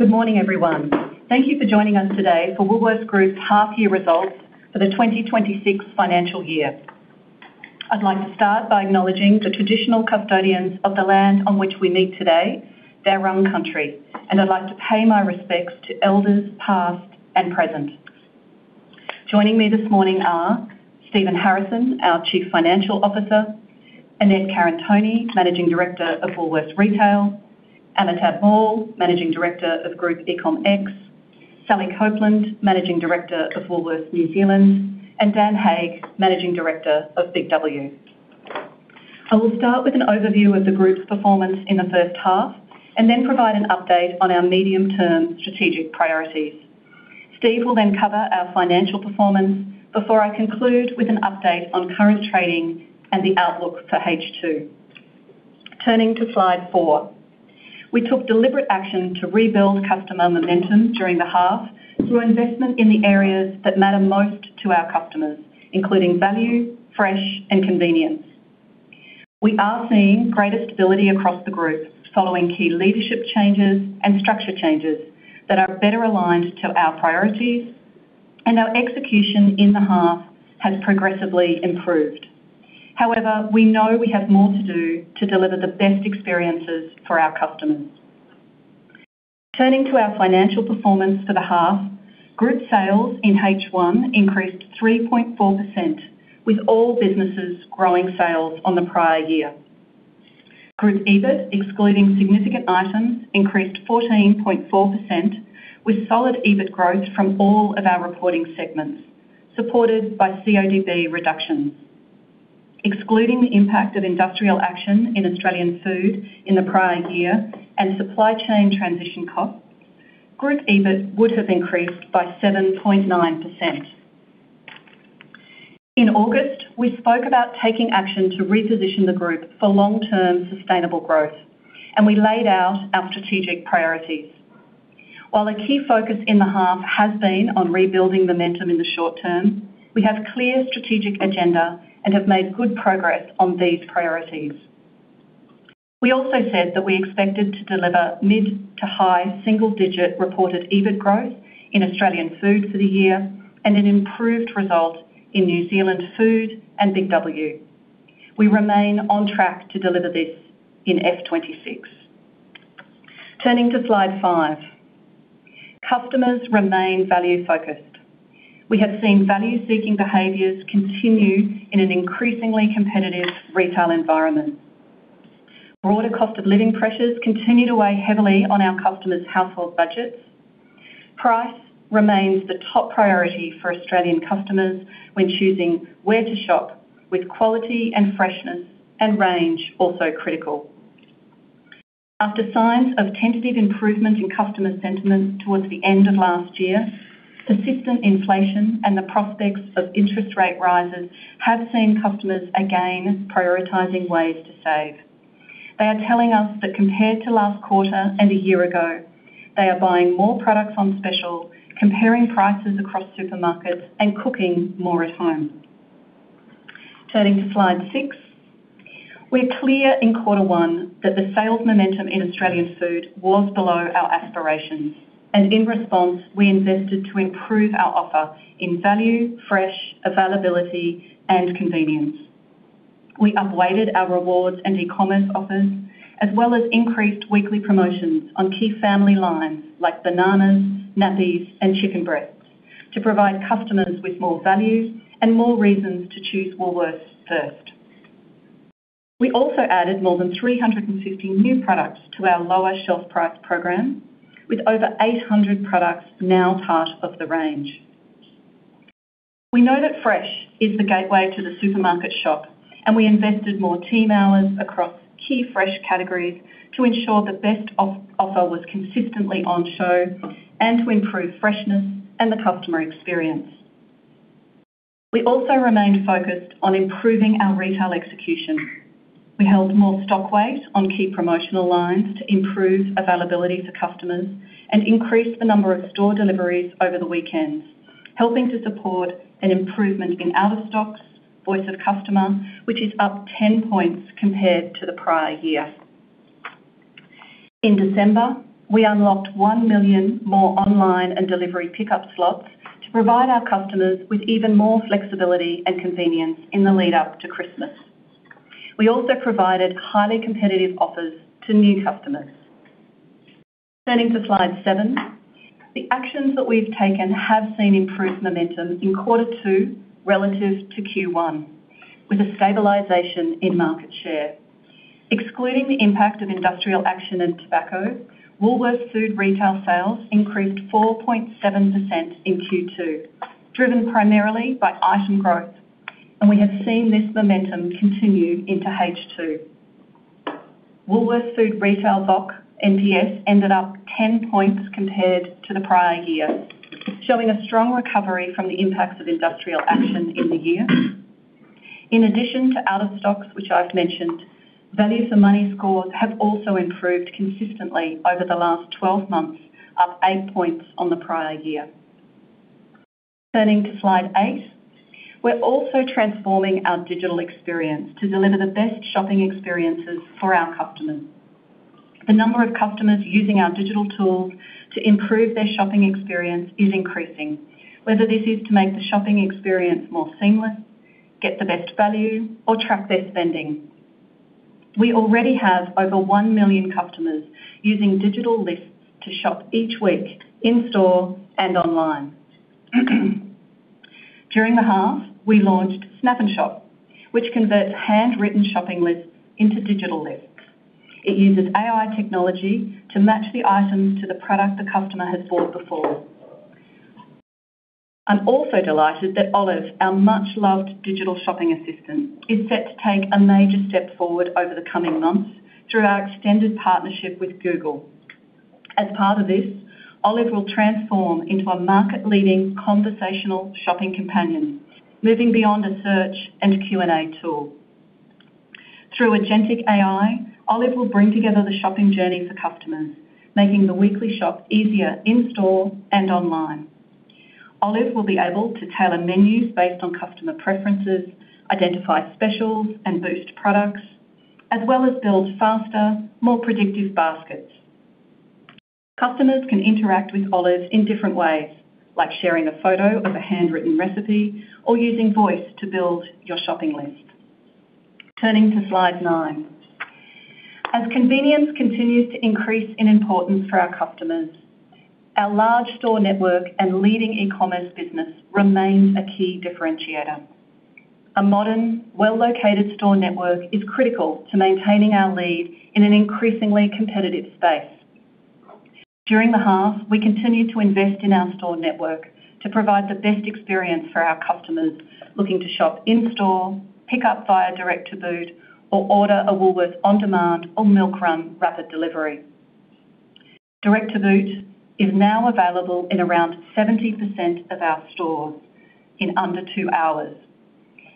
Good morning, everyone. Thank you for joining us today for Woolworths Group's half year results for the 2026 financial year. I'd like to start by acknowledging the traditional custodians of the land on which we meet today, their own country, and I'd like to pay my respects to elders, past and present. Joining me this morning are Stephen Harrison, our Chief Financial Officer, Annette Karantoni, Managing Director of Woolworths Retail, Amitabh Mall, Managing Director of Group eComX, Sally Copland, Managing Director of Woolworths New Zealand, and Dan Hake, Managing Director of BIG W. I will start with an overview of the group's performance in the first half, then provide an update on our medium-term strategic priorities. Steve will cover our financial performance before I conclude with an update on current trading and the outlook for H2. Turning to Slide 4, we took deliberate action to rebuild customer momentum during the half through investment in the areas that matter most to our customers, including value, fresh, and convenience. We are seeing greater stability across the group following key leadership changes and structure changes that are better aligned to our priorities. Our execution in the half has progressively improved. However, we know we have more to do to deliver the best experiences for our customers. Turning to our financial performance for the half, group sales in H1 increased 3.4%, with all businesses growing sales on the prior year. Group EBIT, excluding Significant Items, increased 14.4%, with solid EBIT growth from all of our reporting segments, supported by CODB reductions. Excluding the impact of industrial action in Australian Food in the prior year and supply chain transition costs, Group EBIT would have increased by 7.9%. In August, we spoke about taking action to reposition the Group for long-term sustainable growth, and we laid out our strategic priorities. While a key focus in the half has been on rebuilding momentum in the short term, we have a clear strategic agenda and have made good progress on these priorities. We also said that we expected to deliver mid to high single digit reported EBIT growth in Australian Food for the year and an improved result in New Zealand Food and BIG W. We remain on track to deliver this in F26. Turning to Slide 5. Customers remain value-focused. We have seen value-seeking behaviors continue in an increasingly competitive retail environment. Broader cost of living pressures continue to weigh heavily on our customers' household budgets. Price remains the top priority for Australian customers when choosing where to shop, with quality and freshness and range also critical. After signs of tentative improvement in customer sentiment towards the end of last year, persistent inflation and the prospects of interest rate rises have seen customers again prioritizing ways to save. They are telling us that compared to last quarter and a year ago, they are buying more products on special, comparing prices across supermarkets and cooking more at home. Turning to Slide 6. We're clear in quarter one that the sales momentum in Australian Food was below our aspirations, and in response, we invested to improve our offer in value, fresh, availability, and convenience. We upweighted our rewards and e-commerce offers, as well as increased weekly promotions on key family lines like bananas, nappies, and chicken breasts, to provide customers with more value and more reasons to choose Woolworths first. We also added more than 350 new products to our lower shelf price program, with over 800 products now part of the range. We know that fresh is the gateway to the supermarket shop. We invested more team hours across key fresh categories to ensure the best offer was consistently on show and to improve freshness and the customer experience. We also remained focused on improving our retail execution. We held more stock weight on key promotional lines to improve availability for customers and increased the number of store deliveries over the weekends, helping to support an improvement in out-of-stocks Voice of the Customer, which is up 10 points compared to the prior year. In December, we unlocked 1 million more online and delivery pickup slots to provide our customers with even more flexibility and convenience in the lead up to Christmas. We also provided highly competitive offers to new customers. Turning to Slide 7, the actions that we've taken have seen improved momentum in quarter two relative to Q1, with a stabilization in market share. Excluding the impact of industrial action in tobacco, Woolworths Food Retail sales increased 4.7% in Q2, driven primarily by item growth. We have seen this momentum continue into H2. Woolworths Food Retail VoC NPS ended up 10 points compared to the prior year, showing a strong recovery from the impacts of industrial action in the year. In addition to out of stocks, which I've mentioned, value for money scores have also improved consistently over the last 12 months, up 8 points on the prior year. Turning to Slide 8. We're also transforming our digital experience to deliver the best shopping experiences for our customers. The number of customers using our digital tools to improve their shopping experience is increasing. Whether this is to make the shopping experience more seamless, get the best value, or track their spending. We already have over 1 million customers using digital lists to shop each week in store and online. During the half, we launched Snap and Shop, which converts handwritten shopping lists into digital lists. It uses AI technology to match the items to the product the customer has bought before. I'm also delighted that Olive, our much-loved digital shopping assistant, is set to take a major step forward over the coming months through our extended partnership with Google. As part of this, Olive will transform into a market-leading conversational shopping companion, moving beyond a search and Q&A tool. Through agentic AI, Olive will bring together the shopping journey for customers, making the weekly shop easier in store and online. Olive will be able to tailor menus based on customer preferences, identify specials, and boost products, as well as build faster, more predictive baskets. Customers can interact with Olive in different ways, like sharing a photo of a handwritten recipe or using voice to build your shopping list. Turning to Slide nine. As convenience continues to increase in importance for our customers, our large store network and leading e-commerce business remains a key differentiator. A modern, well-located store network is critical to maintaining our lead in an increasingly competitive space. During the half, we continued to invest in our store network to provide the best experience for our customers looking to shop in store, pick up via Direct to Boot, or order a Woolworths on-demand or Milkrun rapid delivery. Direct to Boot is now available in around 70% of our stores in under two hours,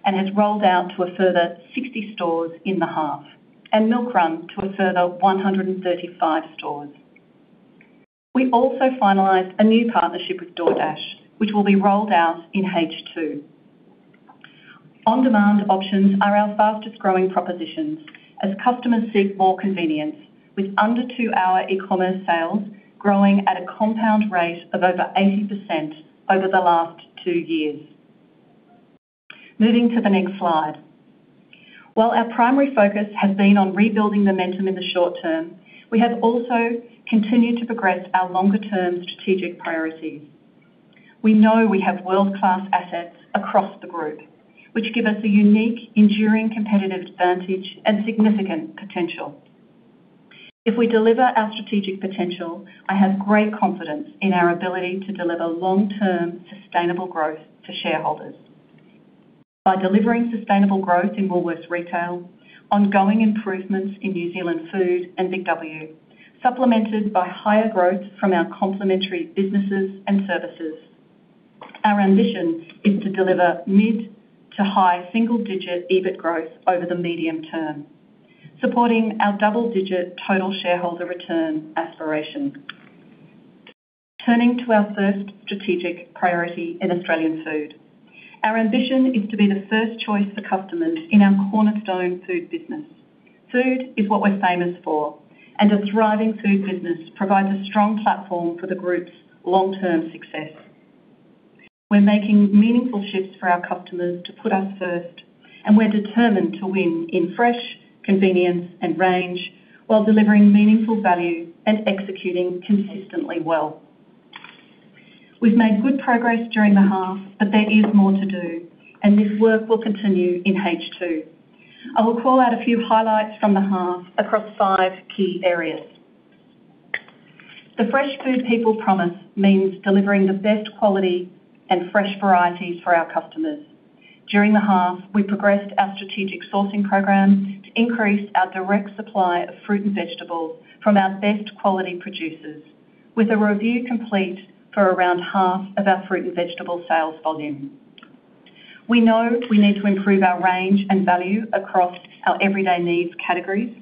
and has rolled out to a further 60 stores in the half, and Milkrun to a further 135 stores. We also finalized a new partnership with DoorDash, which will be rolled out in H2. On-demand options are our fastest-growing propositions as customers seek more convenience, with under two-hour e-commerce sales growing at a compound rate of over 80% over the last two years. Moving to the next Slide. While our primary focus has been on rebuilding momentum in the short term, we have also continued to progress our longer-term strategic priorities. We know we have world-class assets across the group, which give us a unique, enduring competitive advantage and significant potential. If we deliver our strategic potential, I have great confidence in our ability to deliver long-term sustainable growth to shareholders. By delivering sustainable growth in Woolworths Retail, ongoing improvements in New Zealand Food and BIG W, supplemented by higher growth from our complementary businesses and services, our ambition is to deliver mid to high single-digit EBIT growth over the medium term, supporting our double-digit total shareholder return aspiration. Turning to our first strategic priority in Australian Food. Our ambition is to be the first choice for customers in our cornerstone food business. Food is what we're famous for. A thriving food business provides a strong platform for the group's long-term success. We're making meaningful shifts for our customers to put us first. We're determined to win in fresh, convenience, and range, while delivering meaningful value and executing consistently well. We've made good progress during the half. There is more to do. This work will continue in H2. I will call out a few highlights from the half across five key areas. The Fresh Food People promise means delivering the best quality and fresh varieties for our customers. During the half, we progressed our strategic sourcing program to increase our direct supply of fruit and vegetables from our best quality producers, with a review complete for around half of our fruit and vegetable sales volume. We know we need to improve our range and value across our everyday needs categories,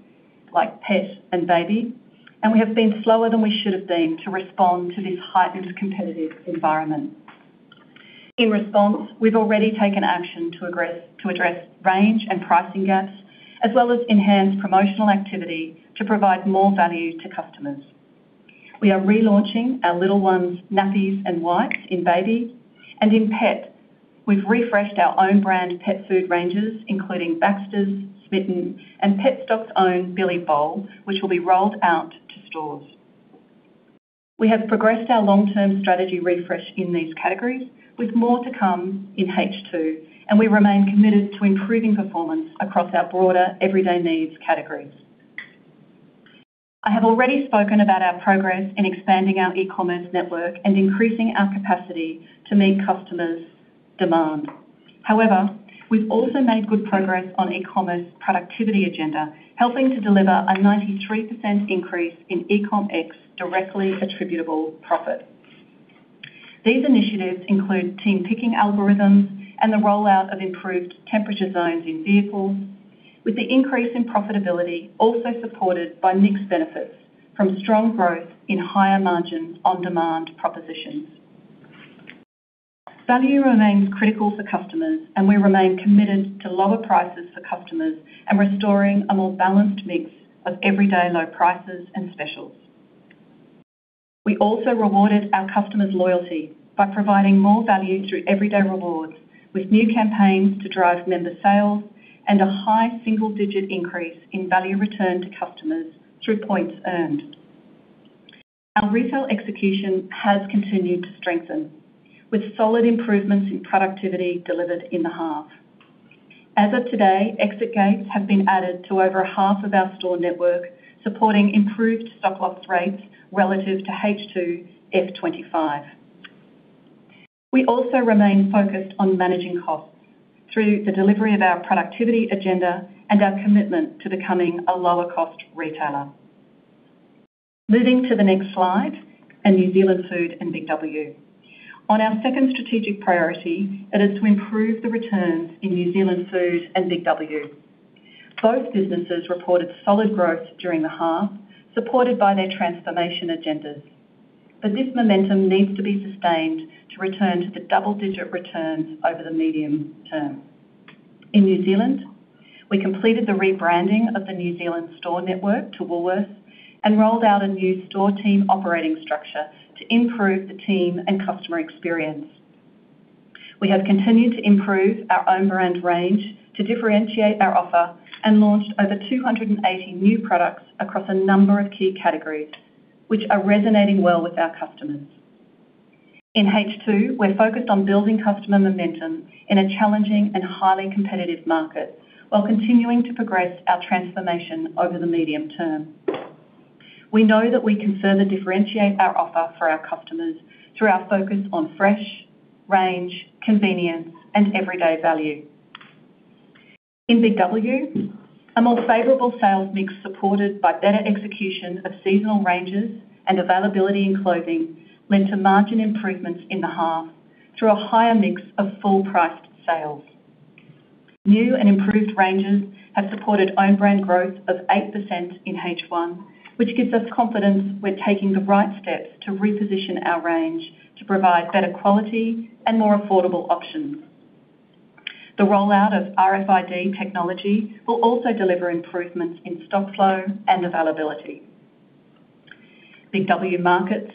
like pet and baby, and we have been slower than we should have been to respond to this heightened competitive environment. In response, we've already taken action to address range and pricing gaps, as well as enhanced promotional activity to provide more value to customers. We are relaunching our Little Ones' nappies and wipes in baby, and in pet, we've refreshed our own brand pet food ranges, including Baxters, Smitten, and Petstock's own Billy Bowl, which will be rolled out to stores. We have progressed our long-term strategy refresh in these categories, with more to come in H2, and we remain committed to improving performance across our broader everyday needs categories. I have already spoken about our progress in expanding our e-commerce network and increasing our capacity to meet customers' demand. However, we've also made good progress on e-commerce productivity agenda, helping to deliver a 93% increase in eComX directly attributable profit. These initiatives include team picking algorithms and the rollout of improved temperature zones in vehicles. With the increase in profitability also supported by mixed benefits from strong growth in higher margin on-demand propositions. Value remains critical for customers, and we remain committed to lower prices for customers and restoring a more balanced mix of everyday low prices and specials. We also rewarded our customers' loyalty by providing more value through Everyday Rewards, with new campaigns to drive member sales and a high single-digit increase in value returned to customers through points earned. Our retail execution has continued to strengthen, with solid improvements in productivity delivered in the half. As of today, exit gates have been added to over half of our store network, supporting improved stock loss rates relative to H2 FY25. We also remain focused on managing costs through the delivery of our productivity agenda and our commitment to becoming a lower-cost retailer. Moving to the next Slide, New Zealand Food and BIG W. On our second strategic priority, that is to improve the returns in New Zealand Food and BIG W. Both businesses reported solid growth during the half, supported by their transformation agendas, but this momentum needs to be sustained to return to the double-digit returns over the medium term. In New Zealand, we completed the rebranding of the New Zealand store network to Woolworths and rolled out a new store team operating structure to improve the team and customer experience. We have continued to improve our own brand range to differentiate our offer and launched over 280 new products across a number of key categories, which are resonating well with our customers. In H2, we're focused on building customer momentum in a challenging and highly competitive market, while continuing to progress our transformation over the medium term. We know that we can further differentiate our offer for our customers through our focus on fresh, range, convenience, and everyday value. In BIG W, a more favorable sales mix, supported by better execution of seasonal ranges and availability in clothing, led to margin improvements in the half through a higher mix of full-priced sales. New and improved ranges have supported own brand growth of 8% in H1, which gives us confidence we're taking the right steps to reposition our range to provide better quality and more affordable options. The rollout of RFID technology will also deliver improvements in stock flow and availability. BIG W Market's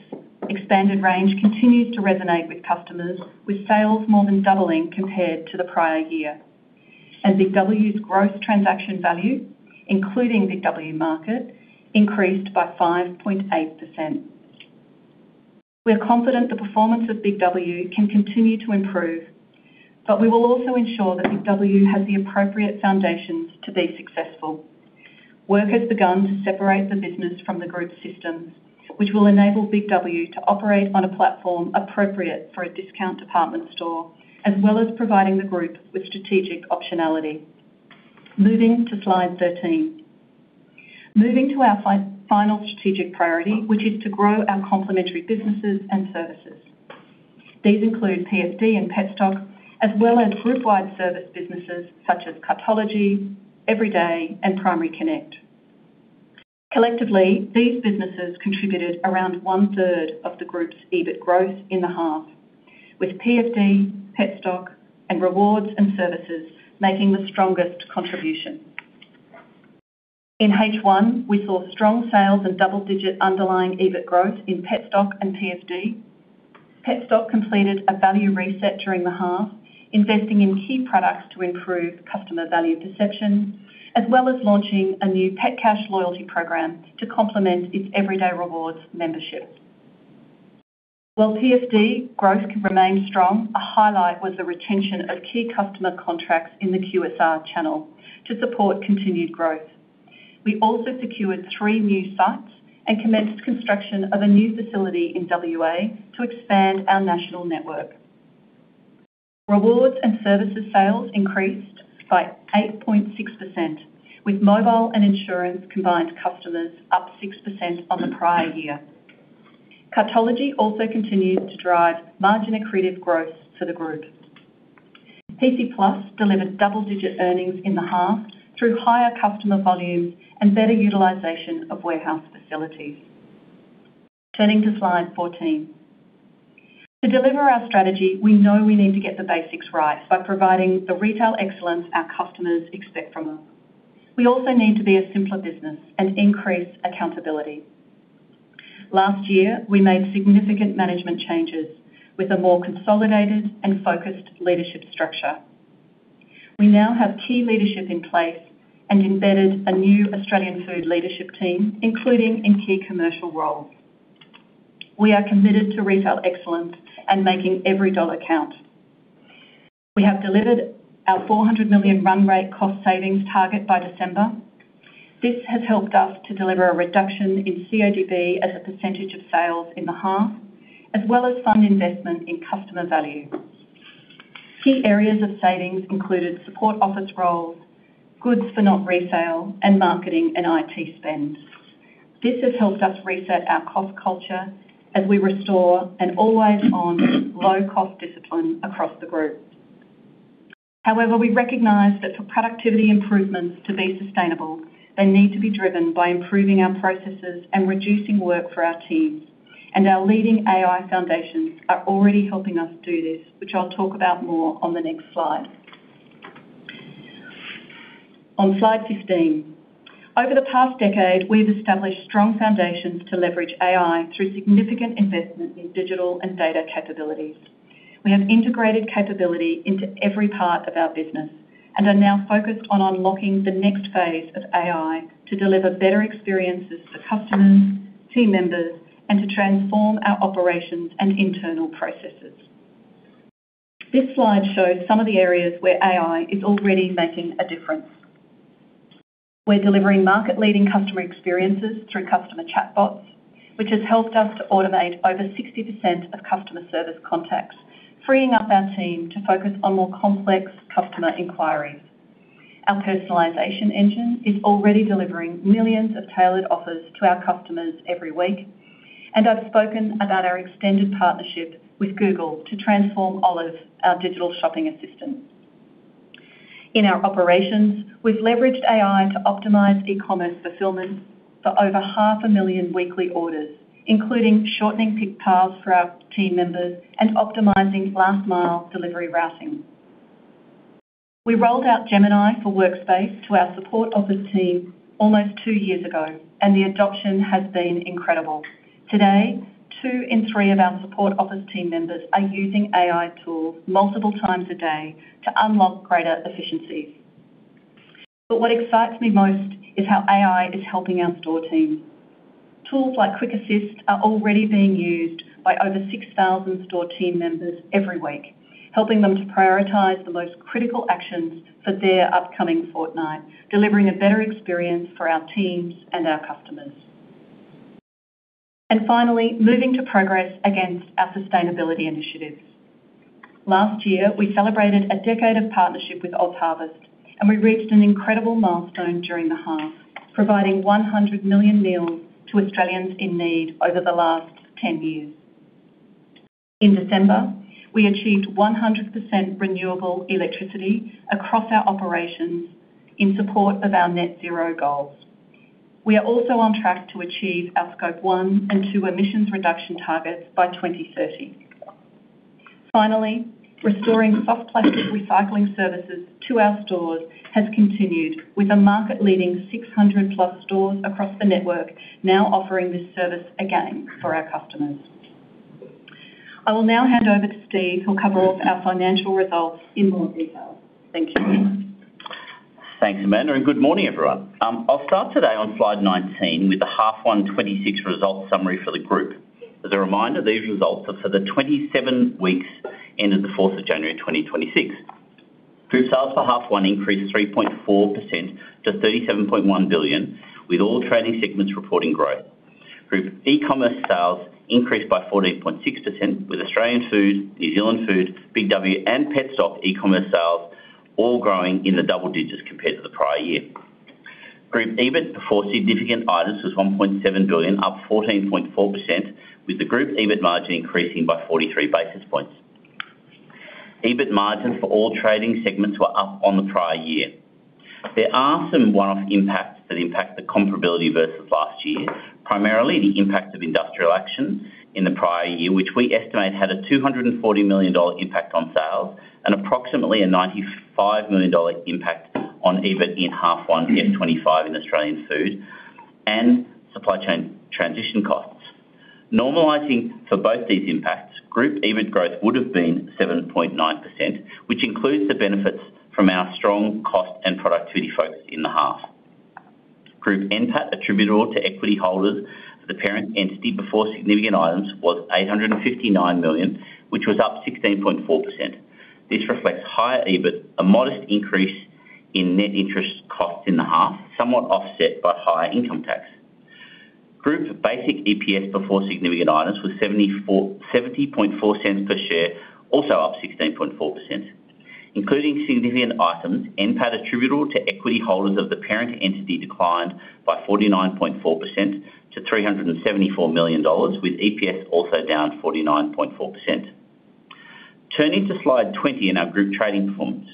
expanded range continues to resonate with customers, with sales more than doubling compared to the prior year, and BIG W's growth transaction value, including BIG W Market, increased by 5.8%. We are confident the performance of BIG W can continue to improve, but we will also ensure that BIG W has the appropriate foundations to be successful. Work has begun to separate the business from the group's systems, which will enable BIG W to operate on a platform appropriate for a discount department store, as well as providing the group with strategic optionality. Moving to Slide 13. Moving to our final strategic priority, which is to grow our complementary businesses and services. These include PFD and Petstock, as well as group-wide service businesses such as Cartology, Everyday, and Primary Connect. Collectively, these businesses contributed around one-third of the group's EBIT growth in the half, with PFD, Petstock, and Rewards and Services making the strongest contribution. In H1, we saw strong sales and double-digit underlying EBIT growth in Petstock and PFD. Petstock completed a value reset during the half, investing in key products to improve customer value perception, as well as launching a new Pet Cash loyalty program to complement its Everyday Rewards membership. While PFD growth remained strong, a highlight was the retention of key customer contracts in the QSR channel to support continued growth. We also secured 3 new sites and commenced construction of a new facility in WA to expand our national network. Rewards and Services sales increased by 8.6%, with mobile and insurance combined customers up 6% on the prior year. Cartology also continued to drive margin accretive growth to the group. PC Plus delivered double-digit earnings in the half through higher customer volume and better utilization of warehouse facilities. Turning to Slide 14. To deliver our strategy, we know we need to get the basics right by providing the retail excellence our customers expect from us. We also need to be a simpler business and increase accountability. Last year, we made significant management changes with a more consolidated and focused leadership structure. We now have key leadership in place and embedded a new Australian Food leadership team, including in key commercial roles. We are committed to retail excellence and making every dollar count. We have delivered our 400 million run rate cost savings target by December. This has helped us to deliver a reduction in CODB as a % of sales in the half, as well as fund investment in customer value. Key areas of savings included support office roles, goods for not resale, and marketing and IT spend. This has helped us reset our cost culture as we restore an always-on, low-cost discipline across the group. However, we recognize that for productivity improvements to be sustainable, they need to be driven by improving our processes and reducing work for our teams. Our leading AI foundations are already helping us do this, which I'll talk about more on the next Slide. On Slide 15. Over the past decade, we've established strong foundations to leverage AI through significant investment in digital and data capabilities. We have integrated capability into every part of our business and are now focused on unlocking the next phase of AI to deliver better experiences for customers, team members, and to transform our operations and internal processes. This Slide shows some of the areas where AI is already making a difference. We're delivering market-leading customer experiences through customer chatbots, which has helped us to automate over 60% of customer service contacts, freeing up our team to focus on more complex customer inquiries. Our personalization engine is already delivering millions of tailored offers to our customers every week. I've spoken about our extended partnership with Google to transform Olive, our digital shopping assistant. In our operations, we've leveraged AI to optimize e-commerce fulfillment for over half a million weekly orders, including shortening pick paths for our team members and optimizing last mile delivery routing. We rolled out Gemini for Workspace to our support office team almost two years ago. The adoption has been incredible. Today, two in three of our support office team members are using AI tools multiple times a day to unlock greater efficiency. What excites me most is how AI is helping our store team. Tools like Quick Assist are already being used by over 6,000 store team members every week, helping them to prioritize the most critical actions for their upcoming fortnight, delivering a better experience for our teams and our customers. Finally, moving to progress against our sustainability initiatives. Last year, we celebrated a decade of partnership with OzHarvest, and we reached an incredible milestone during the half, providing 100 million meals to Australians in need over the last 10 years. In December, we achieved 100% renewable electricity across our operations in support of our net zero goals. We are also on track to achieve our Scope 1 and 2 emissions reduction targets by 2030. Finally, restoring soft plastic recycling services to our stores has continued, with a market-leading 600+ stores across the network now offering this service again for our customers. I will now hand over to Stephen, who'll cover our financial results in more detail. Thank you. Thanks, Amanda, good morning, everyone. I'll start today on Slide 19 with the H1 2026 results summary for the group. As a reminder, these results are for the 27 weeks, ending January 4, 2026. Group sales for H1 increased 3.4% to 37.1 billion, with all trading segments reporting growth. Group e-commerce sales increased by 14.6%, with Australian Food, New Zealand Food, BIG W, and Petstock e-commerce sales all growing in the double digits compared to the prior year. Group EBIT before Significant Items was 1.7 billion, up 14.4%, with the group EBIT margin increasing by 43 basis points. EBIT margins for all trading segments were up on the prior year. There are some one-off impacts that impact the comparability versus last year. Primarily, the impact of industrial action in the prior year, which we estimate had a 240 million dollar impact on sales and approximately a 95 million dollar impact on EBIT in H1 F25 in Australian Food and supply chain transition costs. Normalizing for both these impacts, group EBIT growth would have been 7.9%, which includes the benefits from our strong cost and productivity focus in the half. Group NPAT attributable to equity holders of the parent entity before Significant Items was 859 million, which was up 16.4%. This reflects higher EBIT, a modest increase in net interest costs in the half, somewhat offset by higher income tax. Group basic EPS before Significant Items was 0.704 per share, also up 16.4%. Including significant items, NPAT attributable to equity holders of the parent entity declined by 49.4% to 374 million dollars, with EPS also down 49.4%. Turning to Slide 20 in our group trading performance.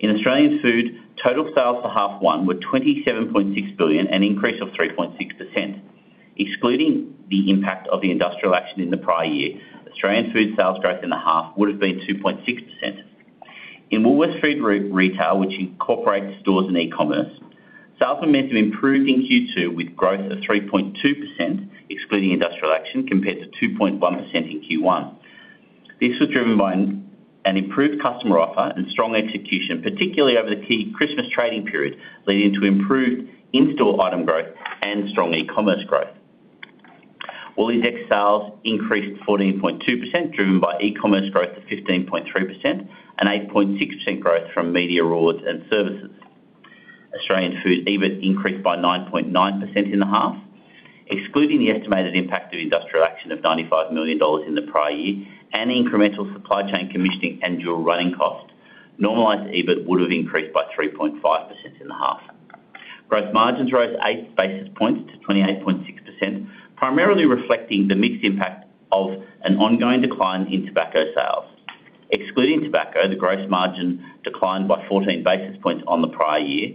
In Australian Food, total sales for H1 were 27.6 billion, an increase of 3.6%. Excluding the impact of the industrial action in the prior year, Australian Food sales growth in the half would have been 2.6%. In Woolworths Food Group Retail, which incorporates stores and e-commerce, sales were meant to improve in Q2, with growth of 3.2%, excluding industrial action, compared to 2.1% in Q1. This was driven by an improved customer offer and strong execution, particularly over the key Christmas trading period, leading to improved in-store item growth and strong e-commerce growth. WooliesX sales increased 14.2%, driven by e-commerce growth of 15.3% and 8.6% growth from media rewards and services. Australian Food EBIT increased by 9.9% in the half, excluding the estimated impact of industrial action of 95 million dollars in the prior year and the incremental supply chain commissioning and dual running cost. normalized EBIT would have increased by 3.5% in the half. Gross margins rose eight basis points to 28.6%, primarily reflecting the mixed impact of an ongoing decline in tobacco sales. Excluding tobacco, the gross margin declined by 14 basis points on the prior year,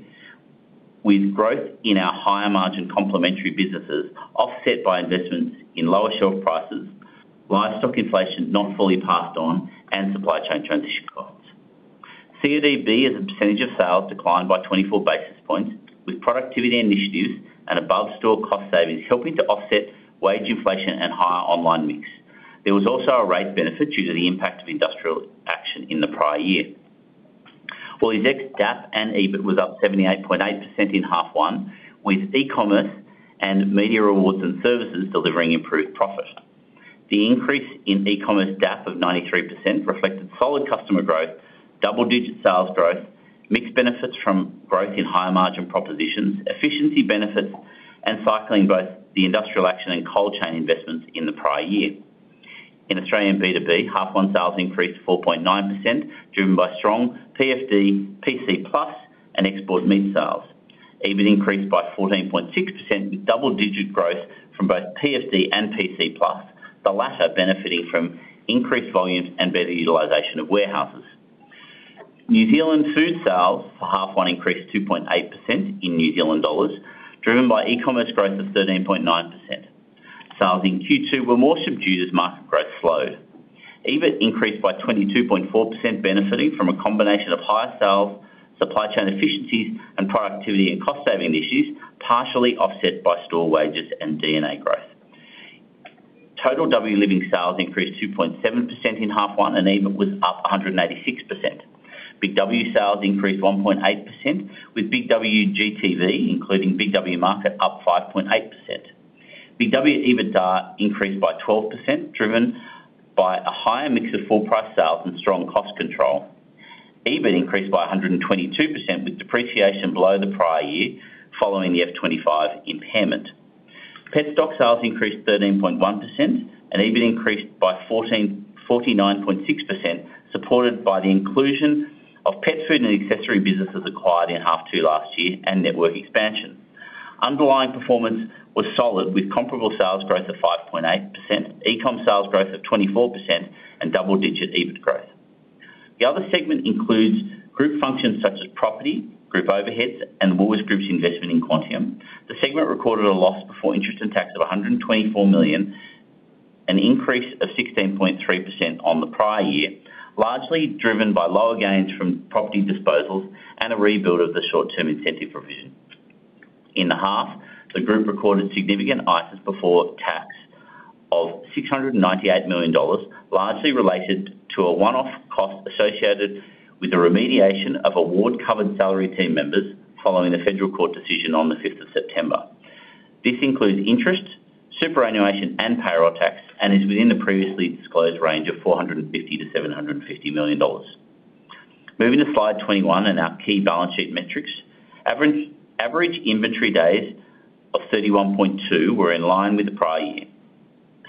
with growth in our higher-margin complementary businesses, offset by investments in lower shelf prices, livestock inflation not fully passed on, and supply chain transition costs. CODB, as a percentage of sales, declined by 24 basis points, with productivity initiatives and above-store cost savings helping to offset wage inflation and higher online mix. There was also a rate benefit due to the impact of industrial action in the prior year. WooliesX DAP and EBIT was up 78.8% in H1, with E-commerce and media rewards and services delivering improved profit. The increase in E-commerce DAP of 93% reflected solid customer growth, double-digit sales growth, mixed benefits from growth in higher-margin propositions, efficiency benefits, and cycling both the industrial action and cold chain investments in the prior year. In Australian B2B, H1 sales increased 4.9%, driven by strong PFD, PC Plus, and export meat sales. EBIT increased by 14.6%, with double-digit growth from both PFD and PC Plus, the latter benefiting from increased volumes and better utilization of warehouses. New Zealand Food sales for H1 increased 2.8% in NZD, driven by E-commerce growth of 13.9%. Sales in Q2 were more subdued as market growth slowed. EBIT increased by 22.4%, benefiting from a combination of higher sales, supply chain efficiencies, and productivity and cost-saving initiatives, partially offset by store wages and D&A growth. Total BIG W Living sales increased 2.7% in H1. EBIT was up 186%. BIG W sales increased 1.8%, with BIG W GTV, including BIG W Market, up 5.8%. BIG W EBITDAR increased by 12%, driven by a higher mix of full price sales and strong cost control. EBIT increased by 122%, with depreciation below the prior year, following the F-25 impairment. Petstock sales increased 13.1%, and EBIT increased by 49.6%, supported by the inclusion of pet food and accessory businesses acquired in H2 last year and network expansion. Underlying performance was solid, with comparable sales growth of 5.8%, E-com sales growth of 24%, and double-digit EBIT growth. The other segment includes group functions such as property, group overheads, and Woolworths Group's investment in Quantium. The segment recorded a loss before interest and tax of 124 million, an increase of 16.3% on the prior year, largely driven by lower gains from property disposals and a rebuild of the short-term incentive provision. In the half, the group recorded Significant Items before tax of 698 million dollars, largely related to a one-off cost associated with the remediation of award-covered salary team members following the Federal Court decision on the 5th of September. This includes interest, superannuation, and payroll tax, and is within the previously disclosed range of 450 million-750 million dollars. Moving to Slide 21 and our key balance sheet metrics. Average inventory days of 31.2 were in line with the prior year.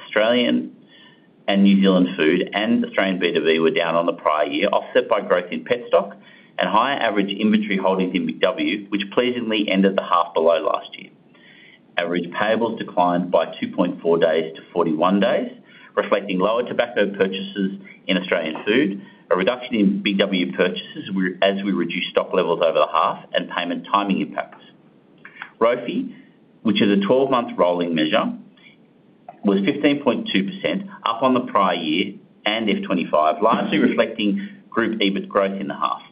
Australian and New Zealand Food and Australian B2B were down on the prior year, offset by growth in Petstock and higher average inventory holdings in BIG W, which pleasingly ended the half below last year. Average payables declined by 2.4 days to 41 days, reflecting lower tobacco purchases in Australian Food, a reduction in BIG W purchases, as we reduced stock levels over the half, and payment timing impacts. ROFI, which is a 12-month rolling measure, was 15.2%, up on the prior year and F-25, largely reflecting group EBIT growth in the half.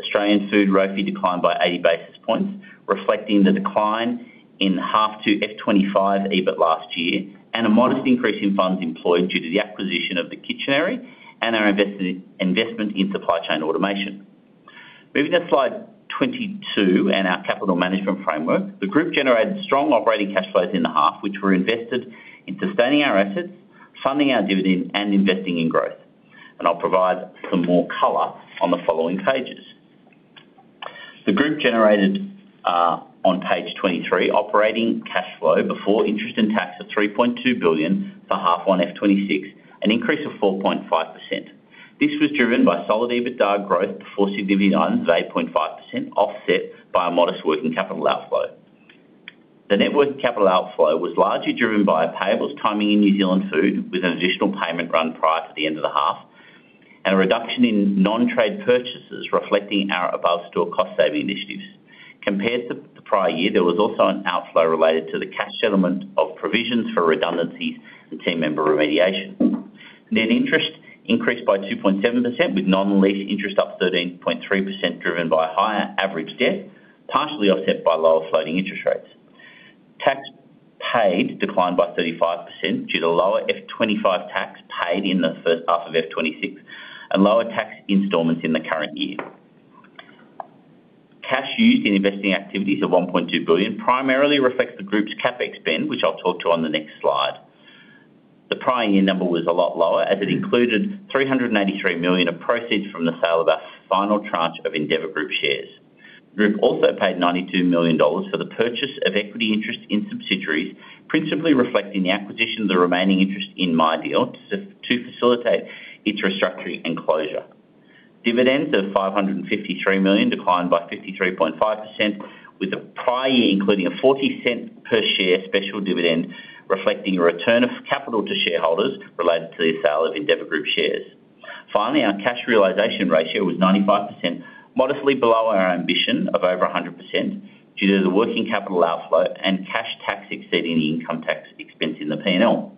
Australian Food ROFI declined by 80 basis points, reflecting the decline in H2 F-25 EBIT last year, and a modest increase in funds employed due to the acquisition of The Kitchary and our investment in supply chain automation. Moving to Slide 22 and our capital management framework. The group generated strong operating cash flows in the half, which were invested in sustaining our assets, funding our dividend, and investing in growth. I'll provide some more color on the following pages. The group generated on page 23, operating cash flow before interest and tax of 3.2 billion for H1 F-26, an increase of 4.5%. This was driven by solid EBITDA growth before CGV items of 8.5%, offset by a modest working capital outflow. The net working capital outflow was largely driven by a payables timing in New Zealand Food, with an additional payment run prior to the end of the half, and a reduction in non-trade purchases reflecting our above store cost-saving initiatives. Compared to the prior year, there was also an outflow related to the cash settlement of provisions for redundancies and team member remediation. Net interest increased by 2.7%, with non-lease interest up 13.3%, driven by higher average debt, partially offset by lower floating interest rates. Tax paid declined by 35% due to lower F-25 tax paid in the first half of F-26, and lower tax installments in the current year. Cash used in investing activities of AUD 1.2 billion, primarily reflects the group's capex spend, which I'll talk to on the next Slide. The prior year number was a lot lower, as it included 383 million of proceeds from the sale of our final tranche of Endeavour Group shares. The group also paid 92 million dollars for the purchase of equity interest in subsidiaries, principally reflecting the acquisition of the remaining interest in MyDeal to facilitate its restructuring and closure. Dividends of 553 million, declined by 53.5%, with the prior year, including a 0.40 per share special dividend, reflecting a return of capital to shareholders related to the sale of Endeavour Group shares. Finally, our cash realization ratio was 95%, modestly below our ambition of over 100%, due to the working capital outflow and cash tax exceeding the income tax expense in the P&L.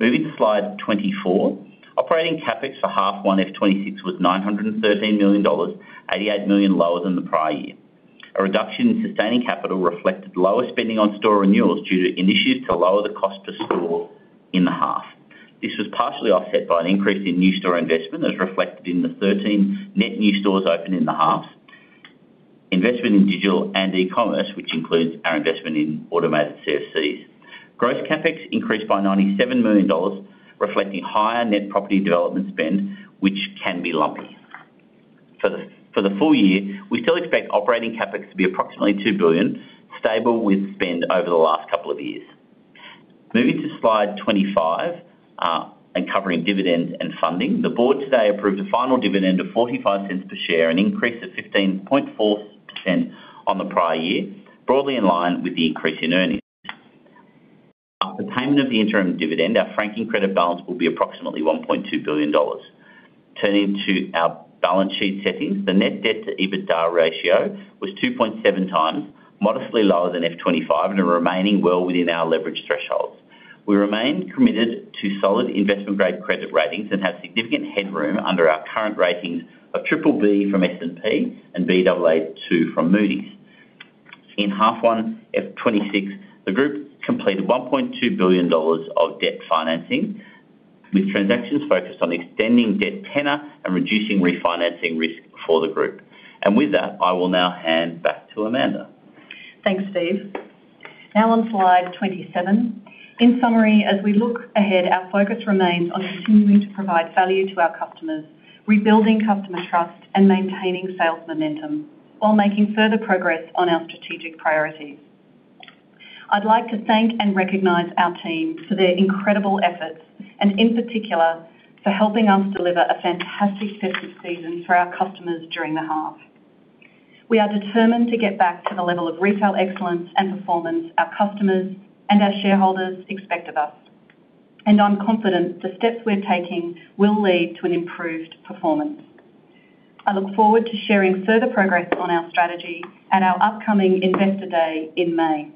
Moving to Slide 24, operating CapEx for H1 F-26 was AUD 913 million, AUD 88 million lower than the prior year. A reduction in sustaining capital reflected lower spending on store renewals due to initiatives to lower the cost per store in the half. This was partially offset by an increase in new store investment, as reflected in the 13 net new stores opened in the half. Investment in digital and e-commerce, which includes our investment in automated CFCs. Gross CapEx increased by AUD 97 million, reflecting higher net property development spend, which can be lumpy. For the full year, we still expect operating CapEx to be approximately 2 billion, stable with spend over the last couple of years. Moving to Slide 25. Covering dividends and funding. The board today approved a final dividend of 0.45 per share, an increase of 15.4% on the prior year, broadly in line with the increase in earnings. After payment of the interim dividend, our franking credit balance will be approximately 1.2 billion dollars. Turning to our balance sheet settings, the net debt to EBITDA ratio was 2.7 times, modestly lower than F-25. Remaining well within our leverage thresholds. We remain committed to solid investment-grade credit ratings and have significant headroom under our current ratings of BBB from S&P and Baa2 from Moody's. In H1 F-2026, the group completed 1.2 billion dollars of debt financing, with transactions focused on extending debt tenor and reducing refinancing risk for the group. With that, I will now hand back to Amanda. Thanks, Stephen. On Slide 27. In summary, as we look ahead, our focus remains on continuing to provide value to our customers, rebuilding customer trust and maintaining sales momentum while making further progress on our strategic priorities. I'd like to thank and recognize our team for their incredible efforts, and in particular, for helping us deliver a fantastic festive season for our customers during the half. We are determined to get back to the level of retail excellence and performance our customers and our shareholders expect of us. I'm confident the steps we're taking will lead to an improved performance. I look forward to sharing further progress on our strategy at our upcoming Investor Day in May.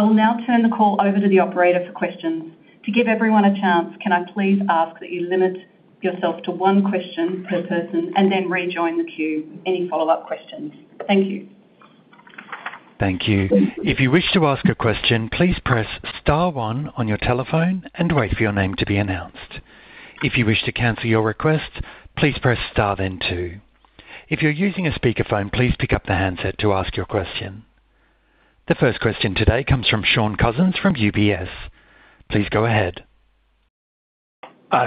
I will now turn the call over to the operator for questions. To give everyone a chance, can I please ask that you limit yourself to one question per person and then rejoin the queue with any follow-up questions. Thank you. Thank you. If you wish to ask a question, please press star one on your telephone and wait for your name to be announced. If you wish to cancel your request, please press star then two. If you're using a speakerphone, please pick up the handset to ask your question. The first question today comes from Shaun Cousins from UBS. Please go ahead.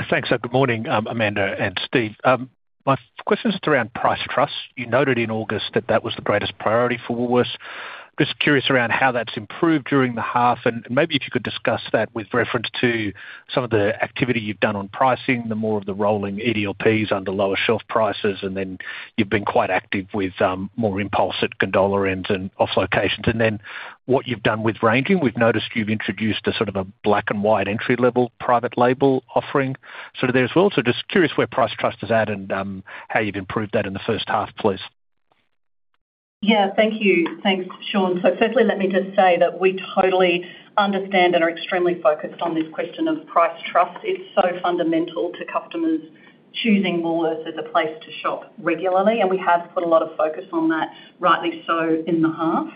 Thanks. Good morning, Amanda and Steve. My question is just around price trust. You noted in August that that was the greatest priority for Woolworths. Just curious around how that's improved during the half, and maybe if you could discuss that with reference to some of the activity you've done on pricing, the more of the rolling EDLP under lower shelf prices, and then you've been quite active with more impulse at gondola ends and off locations, and then what you've done with ranging. We've noticed you've introduced a sort of a black and white entry-level private label offering, sort of there as well. Just curious where price trust is at and how you've improved that in the first half, please. Yeah, thank you. Thanks, Shaun. Firstly, let me just say that we totally understand and are extremely focused on this question of price trust. It's so fundamental to customers choosing Woolworths as a place to shop regularly, and we have put a lot of focus on that, rightly so, in the half.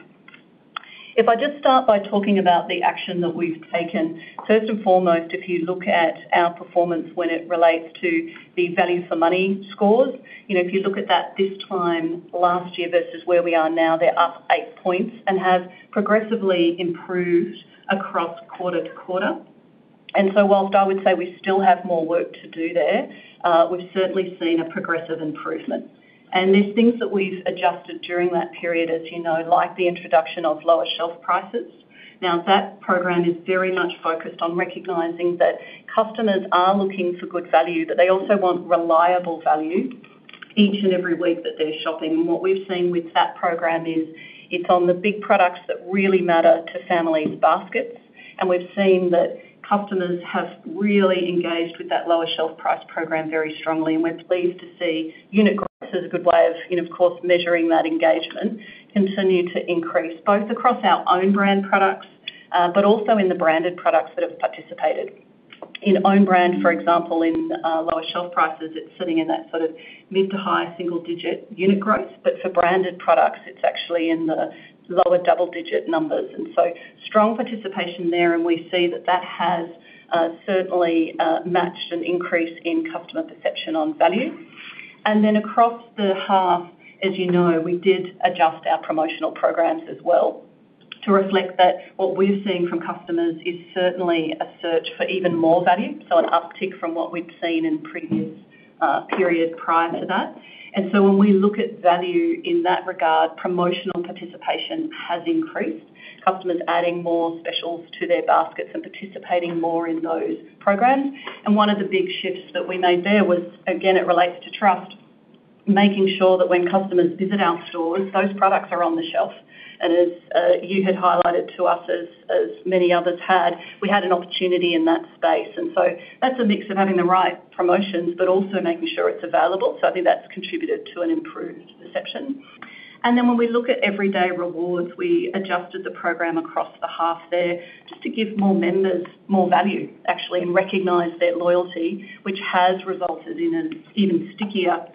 If I just start by talking about the action that we've taken, first and foremost, if you look at our performance when it relates to the value for money scores, you know, if you look at that this time last year versus where we are now, they're up eight points and have progressively improved across quarter-to-quarter. Whilst I would say we still have more work to do there, we've certainly seen a progressive improvement. There's things that we've adjusted during that period, as you know, like the introduction of lower shelf prices. Now, that program is very much focused on recognizing that customers are looking for good value, but they also want reliable value each and every week that they're shopping. What we've seen with that program is it's on the big products that really matter to families' baskets, and we've seen that customers have really engaged with that lower shelf price program very strongly. We're pleased to see unit growth as a good way of, you know, of course, measuring that engagement continue to increase, both across our own brand products, but also in the branded products that have participated. In own brand, for example, in lower shelf prices, it's sitting in that sort of mid to high single-digit unit growth, but for branded products, it's actually in the lower double-digit numbers, and so strong participation there, and we see that that has certainly matched an increase in customer perception on value. Across the half, as you know, we did adjust our promotional programs as well. To reflect that what we're seeing from customers is certainly a search for even more value, so an uptick from what we've seen in previous periods prior to that. When we look at value in that regard, promotional participation has increased. Customers adding more specials to their baskets and participating more in those programs. One of the big shifts that we made there was, again, it relates to trust, making sure that when customers visit our stores, those products are on the shelf. As you had highlighted to us, as many others had, we had an opportunity in that space, and so that's a mix of having the right promotions, but also making sure it's available. I think that's contributed to an improved perception. When we look at Everyday Rewards, we adjusted the program across the half there just to give more members more value, actually, and recognize their loyalty, which has resulted in an even stickier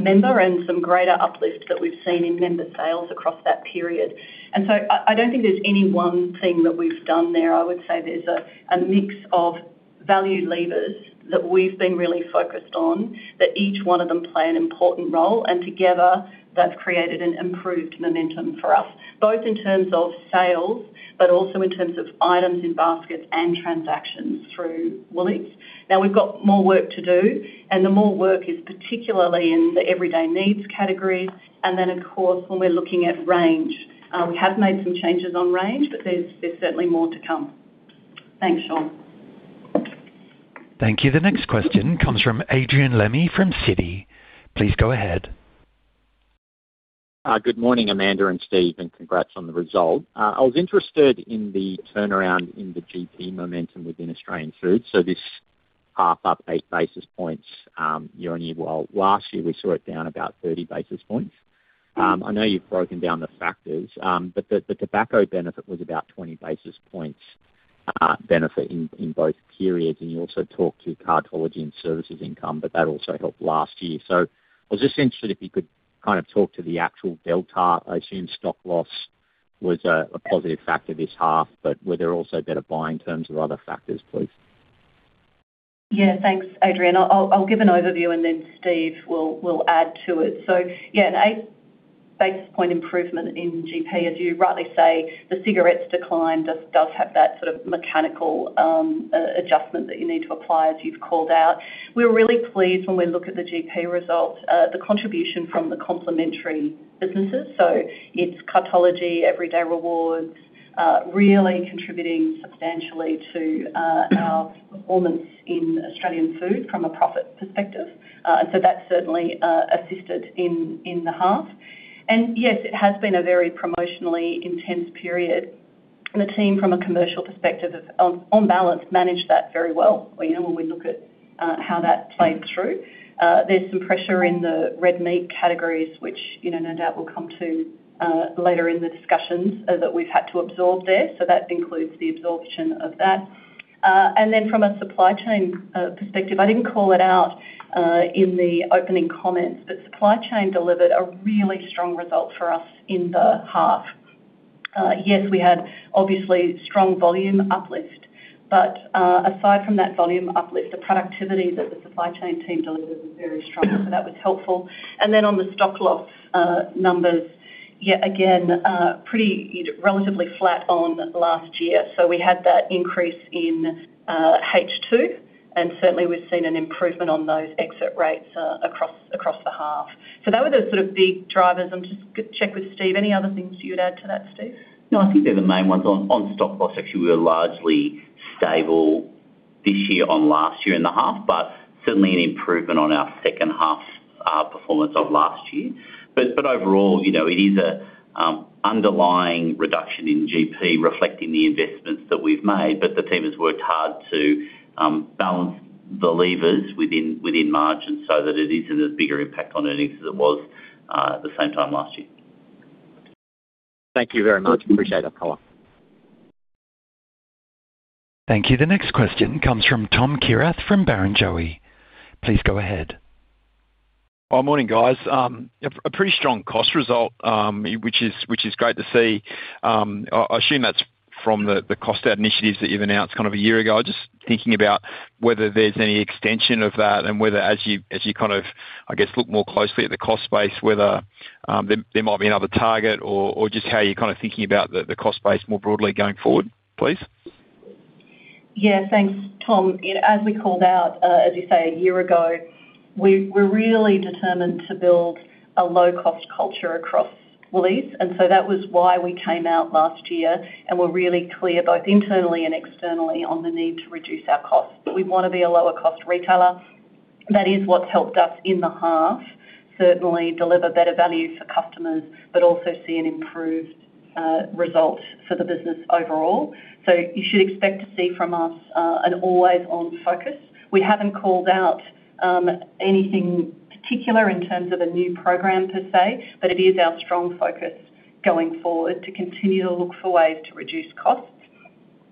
member and some greater uplifts that we've seen in member sales across that period. I don't think there's any one thing that we've done there. I would say there's a mix of value levers that we've been really focused on, that each one of them play an important role, and together, they've created an improved momentum for us, both in terms of sales, but also in terms of items in baskets and transactions through Woolies. We've got more work to do, and the more work is particularly in the everyday needs categories, and then, of course, when we're looking at range. We have made some changes on range, but there's certainly more to come. Thanks, Shaun. Thank you. The next question comes from Adrian Lemme from Citi. Please go ahead. Good morning, Amanda and Steve, congrats on the result. I was interested in the turnaround in the GP momentum within Australian Foods, this half up 8 basis points year-on-year, while last year we saw it down about 30 basis points. I know you've broken down the factors, but the tobacco benefit was about 20 basis points benefit in both periods, and you also talked to Cartology and services income, but that also helped last year. I was just interested if you could kind of talk to the actual delta. I assume stock loss was a positive factor this half, but were there also better buy in terms of other factors, please? Yeah, thanks, Adrian Lemme. I'll give an overview and then Steve will add to it. Yeah, an 8 basis point improvement in GP, as you rightly say, the cigarettes decline does have that sort of mechanical adjustment that you need to apply as you've called out. We're really pleased when we look at the GP results, the contribution from the complementary businesses, so it's Cartology, Everyday Rewards, really contributing substantially to our performance in Australian Food from a profit perspective. And so that's certainly assisted in the half. Yes, it has been a very promotionally intense period, and the team, from a commercial perspective, has on balance, managed that very well, you know, when we look at how that played through. There's some pressure in the red meat categories, which, you know, no doubt we'll come to later in the discussions that we've had to absorb there, so that includes the absorption of that. From a supply chain perspective, I didn't call it out in the opening comments, but supply chain delivered a really strong result for us in the half. Yes, we had obviously strong volume uplift, but aside from that volume uplift, the productivity that the supply chain team delivered was very strong, so that was helpful. On the stock loss numbers, yet again, relatively flat on last year. We had that increase in H2, and certainly we've seen an improvement on those exit rates across the half. That was the sort of big drivers. I'm just check with Steve. Any other things you'd add to that, Steve? No, I think they're the main ones. On stock loss, actually, we were largely stable this year on last year in the half, but certainly an improvement on our second half performance of last year. Overall, you know, it is a underlying reduction in GP reflecting the investments that we've made, but the team has worked hard to balance the levers within margin so that it isn't as bigger impact on earnings as it was the same time last year. Thank you very much. Appreciate the call. Thank you. The next question comes from Thomas Kierath, from Barrenjoey. Please go ahead. Morning, guys. A pretty strong cost result, which is great to see. I assume that's from the cost out initiatives that you've announced kind of a year ago. I was just thinking about whether there's any extension of that and whether as you kind of, I guess, look more closely at the cost base, whether there might be another target or just how you're kind of thinking about the cost base more broadly going forward, please? Yeah. Thanks, Thomas. You know, as we called out, as you say, 1 year ago, we're really determined to build a low-cost culture across Woolies. That was why we came out last year. We're really clear, both internally and externally, on the need to reduce our costs. We want to be a lower cost retailer. That is what's helped us in the half, certainly deliver better value for customers, but also see an improved result for the business overall. You should expect to see from us an always on focus. We haven't called out anything particular in terms of a new program per se, but it is our strong focus going forward to continue to look for ways to reduce costs.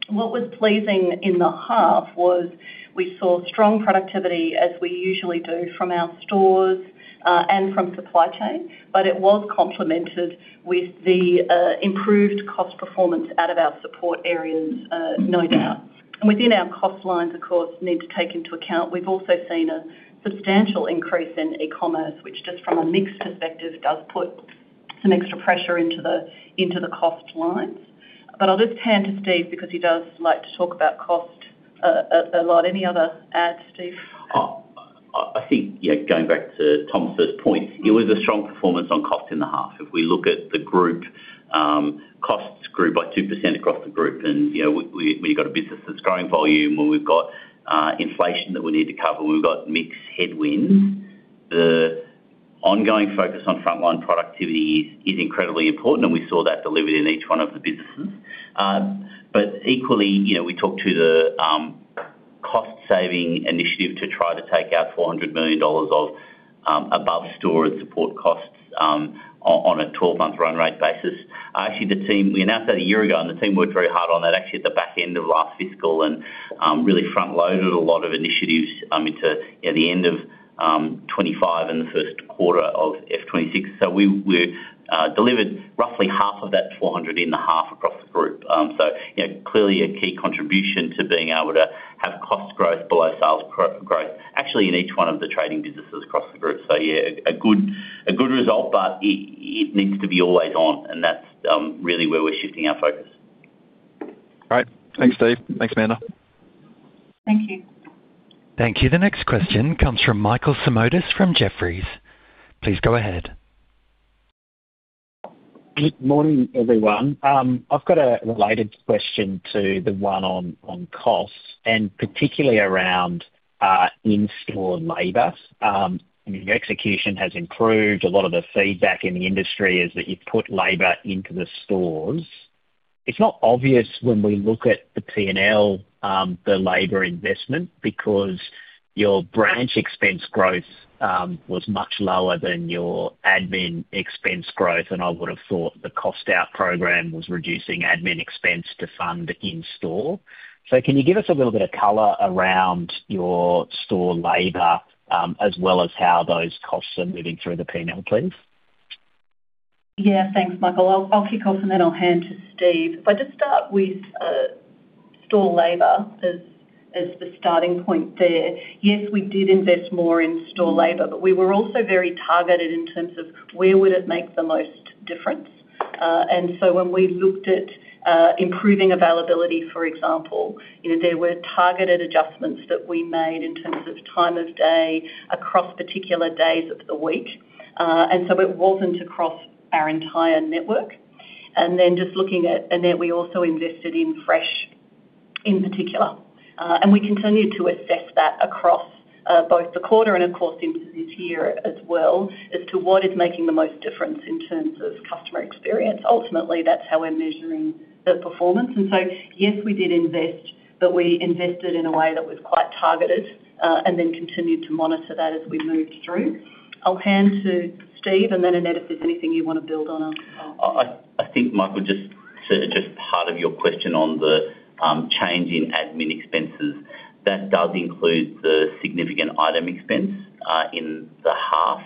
What was pleasing in the half was we saw strong productivity, as we usually do, from our stores, and from supply chain, but it was complemented with the improved cost performance out of our support areas, no doubt. Within our cost lines, of course, need to take into account, we've also seen a substantial increase in e-commerce, which just from a mix perspective, does put some extra pressure into the, into the cost lines. I'll just hand to Steve, because he does like to talk about cost, a lot. Any other add, Steve? I think, yeah, going back to Thomas's first point, it was a strong performance on cost in the half. If we look at the group, costs grew by 2% across the group. You know, we've got a business that's growing volume, where we've got inflation that we need to cover. We've got mixed headwinds. The ongoing focus on frontline productivity is incredibly important, and we saw that delivered in each one of the businesses. Equally, you know, we talked to the cost-saving initiative to try to take out 400 million dollars of above store and support costs on a 12-month run rate basis. Actually, the team we announced that a year ago, and the team worked very hard on that, actually, at the back end of last fiscal and really front-loaded a lot of initiatives, into, you know, the end of 2025 and the first quarter of F26. We delivered roughly half of that 400 in the half across the group. Clearly a key contribution to being able to have cost growth below sales growth, actually in each one of the trading businesses across the group. Yeah, a good result, but it needs to be always on, and that's really where we're shifting our focus. Great. Thanks, Steve. Thanks, Amanda. Thank you. Thank you. The next question comes from Michael Simotas from Jefferies. Please go ahead. Good morning, everyone. I've got a related question to the one on costs, and particularly around in-store labor. I mean, your execution has improved. A lot of the feedback in the industry is that you've put labor into the stores. It's not obvious when we look at the P&L, the labor investment, because your branch expense growth was much lower than your admin expense growth. I would have thought the cost out program was reducing admin expense to fund in-store. Can you give us a little bit of color around your store labor, as well as how those costs are moving through the P&L, please? Thanks, Michael. I'll kick off, then I'll hand to Steve. If I just start with store labor as the starting point there. Yes, we did invest more in store labor, we were also very targeted in terms of where would it make the most difference. So when we looked at improving availability, for example, you know, there were targeted adjustments that we made in terms of time of day across particular days of the week. So it wasn't across our entire network. Then just looking at. Then we also invested in fresh, in particular. We continued to assess that across both the quarter and, of course, into this year as well, as to what is making the most difference in terms of customer experience. Ultimately, that's how we're measuring the performance. Yes, we did invest, but we invested in a way that was quite targeted, and then continued to monitor that as we moved through. I'll hand to Steve, and then, Annette, if there's anything you want to build on. I think, Michael, just part of your question on the change in admin expenses, that does include the Significant Items expense in the half,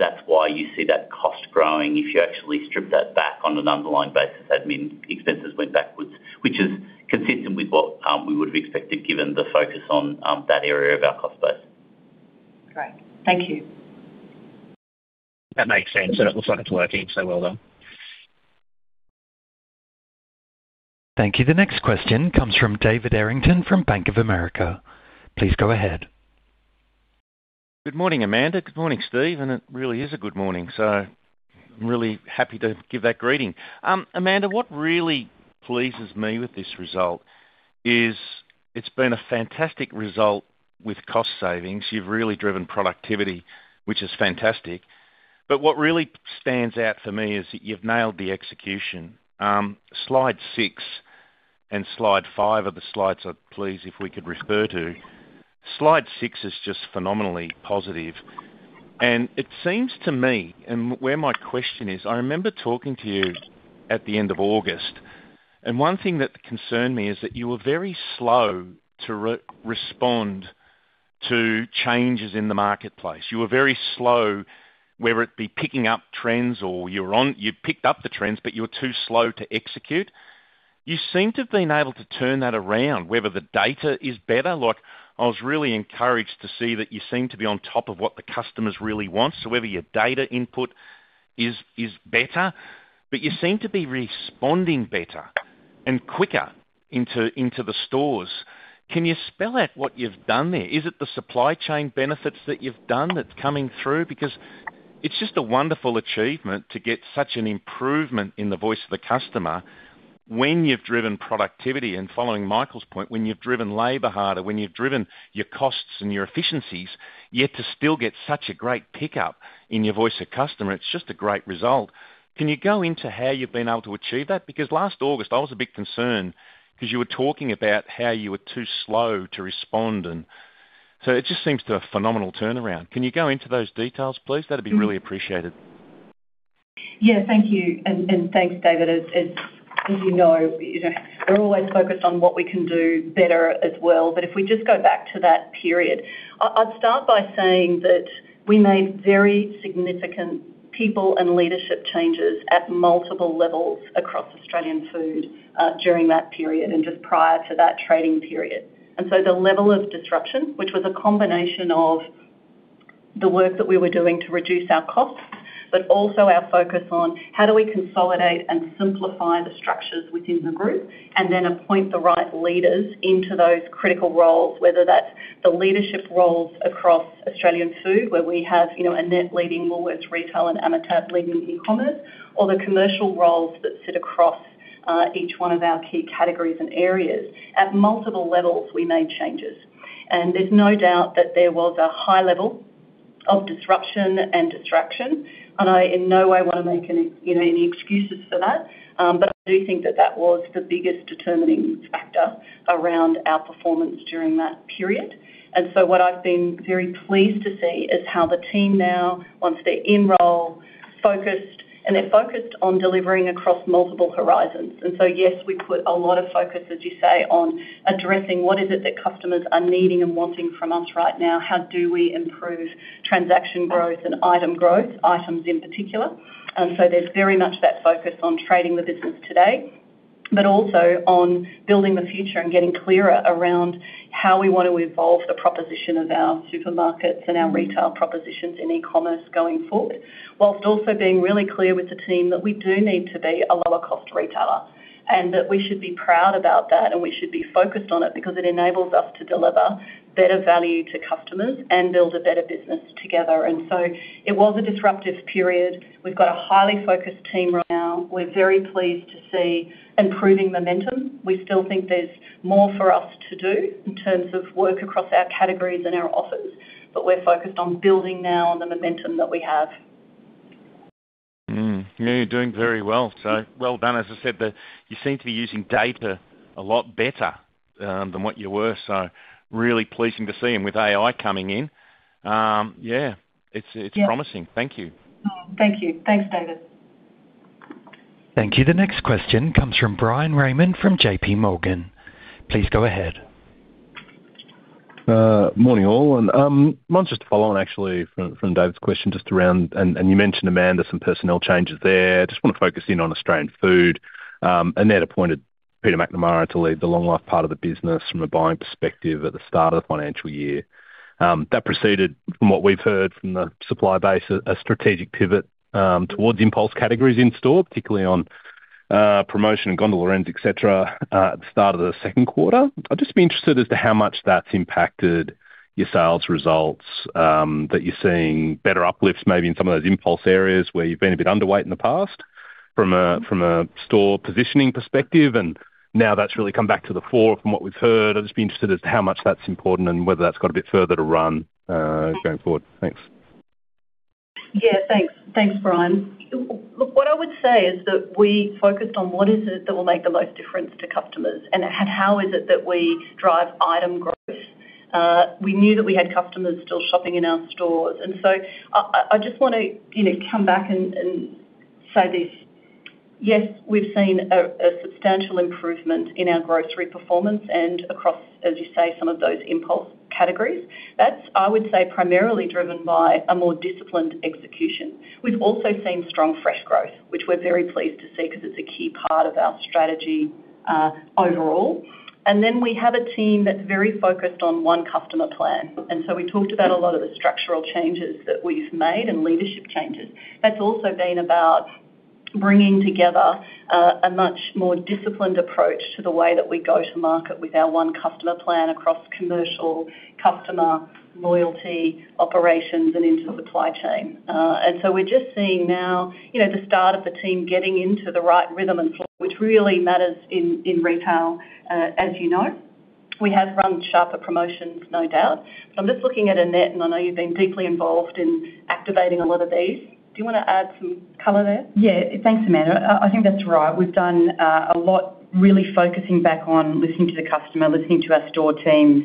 that's why you see that cost growing. If you actually strip that back on an underlying basis, admin expenses went backwards, which is consistent with what we would have expected, given the focus on that area of our cost base. Great. Thank you. That makes sense, and it looks like it's working, so well done. Thank you. The next question comes from David Errington from Bank of America. Please go ahead. Good morning, Amanda. Good morning, Steve. It really is a good morning, I'm really happy to give that greeting. Amanda, what really pleases me with this result is it's been a fantastic result with cost savings. You've really driven productivity, which is fantastic. What really stands out for me is that you've nailed the execution. Slide 6 and Slide 5 are the Slides I please if we could refer to. Slide 6 is just phenomenally positive. It seems to me, where my question is, I remember talking to you at the end of August, one thing that concerned me is that you were very slow to re-respond to changes in the marketplace. You were very slow, whether it be picking up trends or you picked up the trends, you were too slow to execute. You seem to have been able to turn that around, whether the data is better, like I was really encouraged to see that you seem to be on top of what the customers really want. Whether your data input is better, but you seem to be responding better and quicker into the stores. Can you spell out what you've done there? Is it the supply chain benefits that you've done that's coming through? It's just a wonderful achievement to get such an improvement in the voice of the customer when you've driven productivity, and following Michael's point, when you've driven labor harder, when you've driven your costs and your efficiencies, yet to still get such a great pickup in your Voice of the Customer, it's just a great result. Can you go into how you've been able to achieve that? Last August, I was a bit concerned because you were talking about how you were too slow to respond. It just seems to a phenomenal turnaround. Can you go into those details, please? That'd be really appreciated. Yeah. Thank you, and thanks, David. As you know, you know, we're always focused on what we can do better as well. If we just go back to that period, I'd start by saying that we made very significant people and leadership changes at multiple levels across Australian Food during that period and just prior to that trading period. The level of disruption, which was a combination of the work that we were doing to reduce our costs, but also our focus on how do we consolidate and simplify the structures within the group, and then appoint the right leaders into those critical roles, whether that's the leadership roles across Australian Food, where we have, you know, Annette leading Woolworths Retail and Amitabh leading E-commerce, or the commercial roles that sit across each one of our key categories and areas. At multiple levels, we made changes, and there's no doubt that there was a high level of disruption and distraction, and I, in no way, want to make any, you know, any excuses for that. But I do think that that was the biggest determining factor around our performance during that period. What I've been very pleased to see is how the team now, once they're in role, focused, and they're focused on delivering across multiple horizons. Yes, we put a lot of focus, as you say, on addressing what is it that customers are needing and wanting from us right now, how do we improve transaction growth and item growth, items in particular? There's very much that focus on trading the business today, but also on building the future and getting clearer around how we want to evolve the proposition of our supermarkets and our retail propositions in e-commerce going forward. Whilst also being really clear with the team that we do need to be a lower-cost retailer, and that we should be proud about that, and we should be focused on it because it enables us to deliver better value to customers and build a better business together. It was a disruptive period. We've got a highly focused team right now. We're very pleased to see improving momentum. We still think there's more for us to do in terms of work across our categories and our offers, but we're focused on building now on the momentum that we have. Yeah, you're doing very well. Well done. As I said, You seem to be using data a lot better, than what you were, so really pleasing to see. With AI coming in, yeah, it's promising. Yeah. Thank you. Oh, thank you. Thanks, David. Thank you. The next question comes from Bryan Raymond, from JPMorgan. Please go ahead. Morning, all, mine's just a follow-on, actually, from David's question, just around. You mentioned, Amanda, some personnel changes there. I just want to focus in on Australian Food. Annette appointed Peter McNamara to lead the long life part of the business from a buying perspective at the start of the financial year. That preceded, from what we've heard from the supplier base, a strategic pivot towards impulse categories in store, particularly on promotion and gondola ends, et cetera, at the start of the second quarter. I'd just be interested as to how much that's impacted your sales results, that you're seeing better uplifts, maybe in some of those impulse areas where you've been a bit underweight in the past, from a, from a store positioning perspective, and now that's really come back to the fore from what we've heard. I'd just be interested as to how much that's important and whether that's got a bit further to run, going forward. Thanks. Yeah, thanks. Thanks, Bryan. Look, what I would say is that we focused on what is it that will make the most difference to customers, and how is it that we drive item growth. We knew that we had customers still shopping in our stores, I just want to, you know, come back and say this: Yes, we've seen a substantial improvement in our grocery performance and across, as you say, some of those impulse categories. That's, I would say, primarily driven by a more disciplined execution. We've also seen strong fresh growth, which we're very pleased to see, 'cause it's a key part of our strategy overall. We have a team that's very focused on 1 customer plan, we talked about a lot of the structural changes that we've made and leadership changes. That's also been about bringing together, a much more disciplined approach to the way that we go to market with our one customer plan across commercial, customer, loyalty, operations, and into the supply chain. We're just seeing now, you know, the start of the team getting into the right rhythm and flow, which really matters in retail, as you know. We have run sharper promotions, no doubt. So I'm just looking at Annette, and I know you've been deeply involved in activating a lot of these. Do you want to add some color there? Thanks, Amanda. I think that's right. We've done a lot, really focusing back on listening to the customer, listening to our store teams,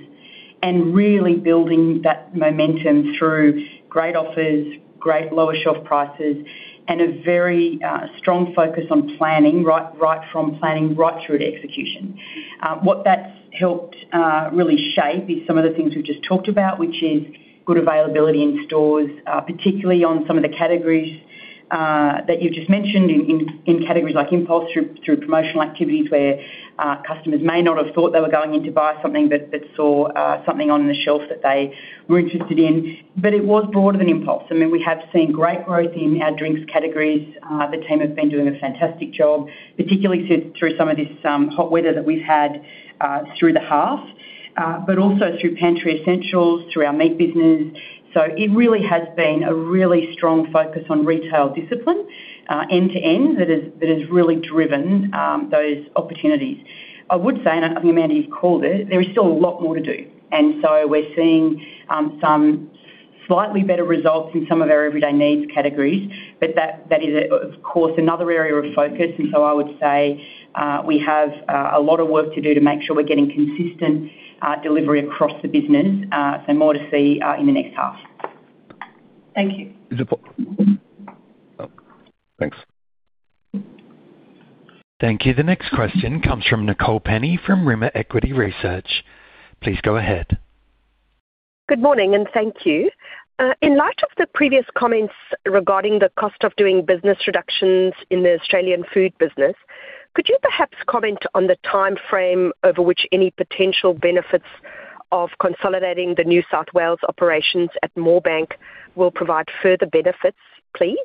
and really building that momentum through great offers, great lower shelf prices, and a very strong focus on planning, right from planning right through to execution. What that's helped really shape is some of the things we've just talked about, which is good availability in stores, particularly on some of the categories that you've just mentioned in categories like impulse through promotional activities, where customers may not have thought they were going in to buy something, but saw something on the shelf that they were interested in. It was broader than impulse. I mean, we have seen great growth in our drinks categories. The team have been doing a fantastic job, particularly through some of this hot weather that we've had through the half, but also through pantry essentials, through our meat business. It really has been a really strong focus on retail discipline, end-to-end, that has really driven those opportunities. I would say, and, I think Amanda, you've called it, there is still a lot more to do, and so we're seeing some slightly better results in some of our everyday needs categories, but that is, of course, another area of focus. I would say, we have a lot of work to do to make sure we're getting consistent delivery across the business. More to see in the next half. Thank you. Thanks. Thank you. The next question comes from Nicole Penny, from Rimor Equity Research. Please go ahead. Good morning, thank you. In light of the previous comments regarding the cost of doing business reductions in the Australian Food business. Could you perhaps comment on the timeframe over which any potential benefits of consolidating the New South Wales operations at Moorebank will provide further benefits, please?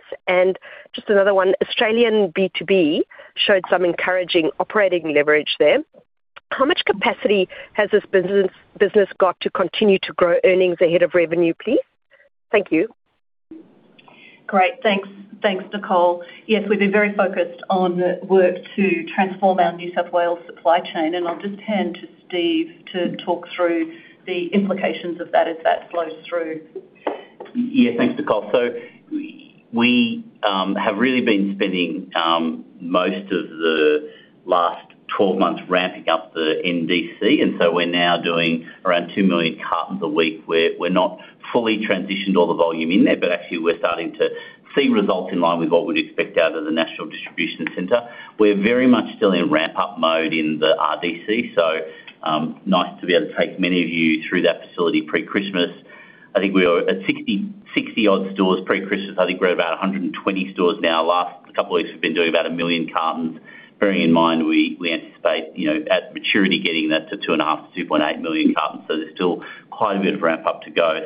Just another one, Australian B2B showed some encouraging operating leverage there. How much capacity has this business got to continue to grow earnings ahead of revenue, please? Thank you. Great. Thanks. Thanks, Nicole. Yes, we've been very focused on the work to transform our New South Wales supply chain, and I'll just hand to Steve to talk through the implications of that as that flows through. Yeah, thanks, Nicole. We have really been spending most of the last 12 months ramping up the NDC, and so we're now doing around 2 million cartons a week. We're not fully transitioned all the volume in there, but actually we're starting to see results in line with what we'd expect out of the National Distribution Center. We're very much still in ramp-up mode in the RDC, so nice to be able to take many of you through that facility pre-Christmas. I think we were at 60-odd stores pre-Christmas. I think we're at about 120 stores now. Last couple of weeks, we've been doing about 1 million cartons, bearing in mind we anticipate, you know, at maturity, getting that to 2.5 million-2.8 million cartons. There's still quite a bit of ramp-up to go.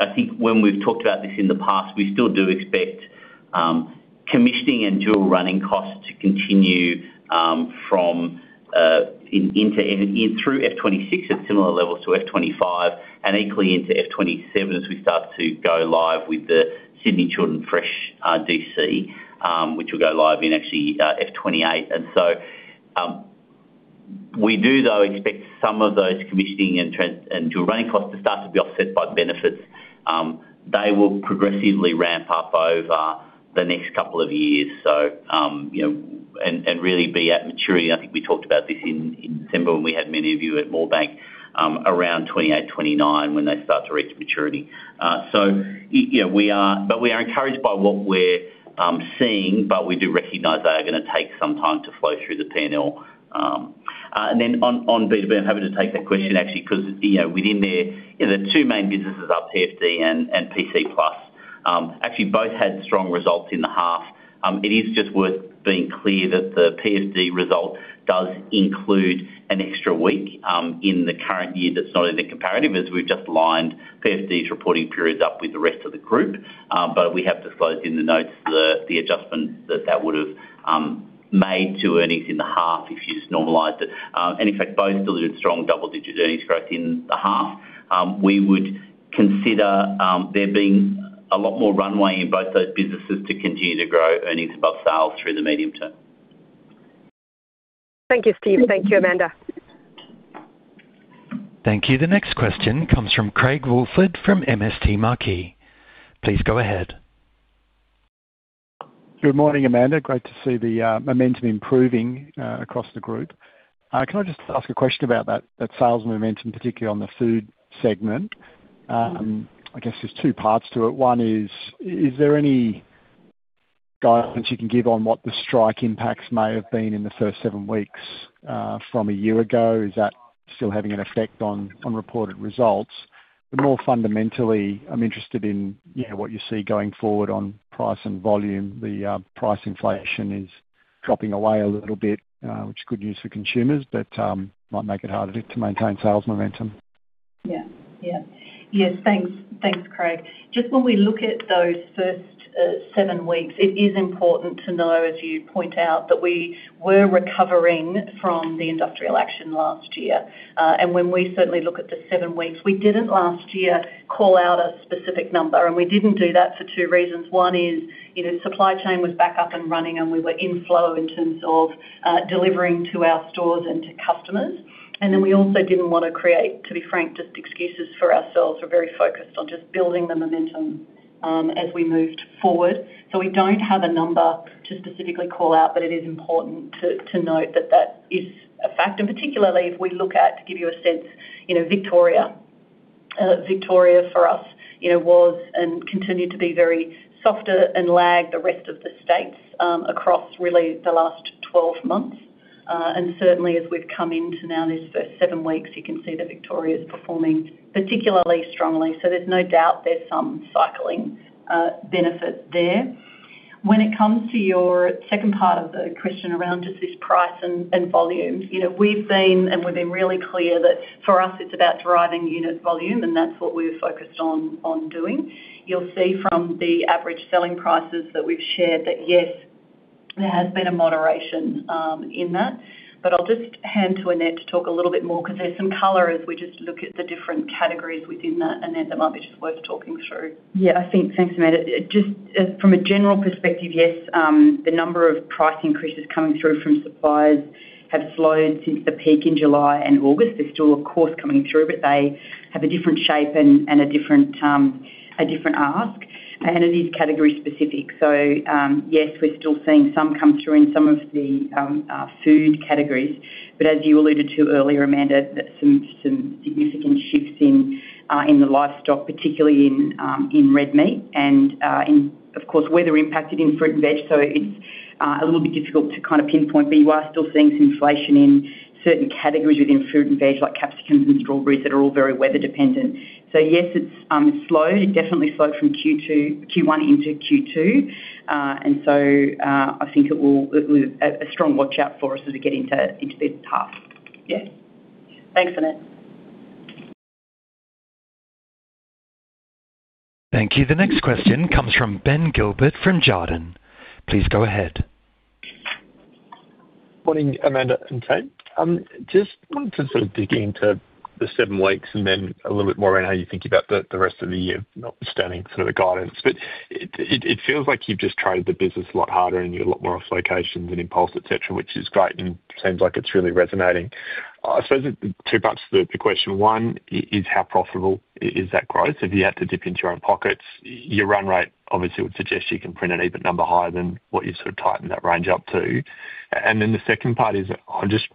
I think when we've talked about this in the past, we still do expect commissioning and dual running costs to continue from through F26 at similar levels to F25 and equally into F27 as we start to go live with the Sydney Chilled and Fresh DC, which will go live in actually F28. We do, though, expect some of those commissioning and dual running costs to start to be offset by benefits. They will progressively ramp up over the next couple of years. you know, and really be at maturity. I think we talked about this in December when we had many of you at Moorebank around 2028, 2029, when they start to reach maturity. You know, we are, but we are encouraged by what we're seeing, but we do recognize they are gonna take some time to flow through the P&L. Then on B2B, I'm happy to take that question actually, 'cause, you know, within there, you know, the two main businesses are PFD and PC Plus. Actually, both had strong results in the half. It is just worth being clear that the PFD result does include an extra week in the current year that's not in the comparative, as we've just lined PFD's reporting periods up with the rest of the group. We have disclosed in the notes the adjustment that would've made to earnings in the half if you just normalized it. In fact, both delivered strong double-digit earnings growth in the half. We would consider there being a lot more runway in both those businesses to continue to grow earnings above sales through the medium term. Thank you, Steve. Thank you, Amanda. Thank you. The next question comes from Craig Woolford from MST Marquee. Please go ahead. Good morning, Amanda. Great to see the momentum improving across the group. Can I just ask a question about that sales momentum, particularly on the food segment? I guess there's two parts to it. One is there any guidance you can give on what the strike impacts may have been in the first 7 weeks from a year ago? Is that still having an effect on reported results? More fundamentally, I'm interested in, you know, what you see going forward on price and volume. The price inflation is dropping away a little bit, which is good news for consumers, but might make it harder to maintain sales momentum. Yeah. Yeah. Yes, thanks. Thanks, Craig. Just when we look at those first seven weeks, it is important to know, as you point out, that we were recovering from the industrial action last year. When we certainly look at the seven weeks, we didn't last year call out a specific number, and we didn't do that for two reasons. One is, you know, supply chain was back up and running, and we were in flow in terms of delivering to our stores and to customers. We also didn't want to create, to be frank, just excuses for ourselves. We're very focused on just building the momentum as we moved forward. We don't have a number to specifically call out, but it is important to note that that is a factor, particularly if we look at, to give you a sense, you know, Victoria. Victoria, for us, you know, was and continued to be very softer and lagged the rest of the states across really the last 12 months. And certainly as we've come into now these first seven weeks, you can see that Victoria is performing particularly strongly. There's no doubt there's some cycling benefit there. When it comes to your second part of the question around just this price and volume, you know, we've been really clear that for us, it's about driving unit volume, and that's what we're focused on doing. You'll see from the average selling prices that we've shared that, yes, there has been a moderation, in that. I'll just hand to Annette to talk a little bit more because there's some color as we just look at the different categories within that, Annette, that might be just worth talking through. Thanks, Amanda. Just, from a general perspective, yes, the number of price increases coming through from suppliers have slowed since the peak in July and August. They're still, of course, coming through, but they have a different shape and a different, a different ask, and it is category specific. Yes, we're still seeing some come through in some of the food categories, but as you alluded to earlier, Amanda, that some significant shifts in the livestock, particularly in red meat and, of course, weather impacted in fruit and veg. It's a little bit difficult to kind of pinpoint, but you are still seeing some inflation in certain categories within fruit and veg, like capsicums and strawberries, that are all very weather dependent. Yes, it's slowed, it definitely slowed from Q2, Q1 into Q2. I think it will be a strong watch out for us as we get into this half. Yeah. Thanks, Annette. Thank you. The next question comes from Ben Gilbert from Jarden. Please go ahead. Morning, Amanda and team. Just wanted to sort of dig into the seven weeks and then a little bit more on how you think about the rest of the year, notwithstanding sort of the guidance. It feels like you've just traded the business a lot harder, and you're a lot more off locations and impulse, et cetera, which is great, and seems like it's really resonating. I suppose the two parts to the question: one, is how profitable is that growth? If you had to dip into your own pockets, your run rate obviously would suggest you can print an even number higher than what you sort of tightened that range up to. The second part is, I'm just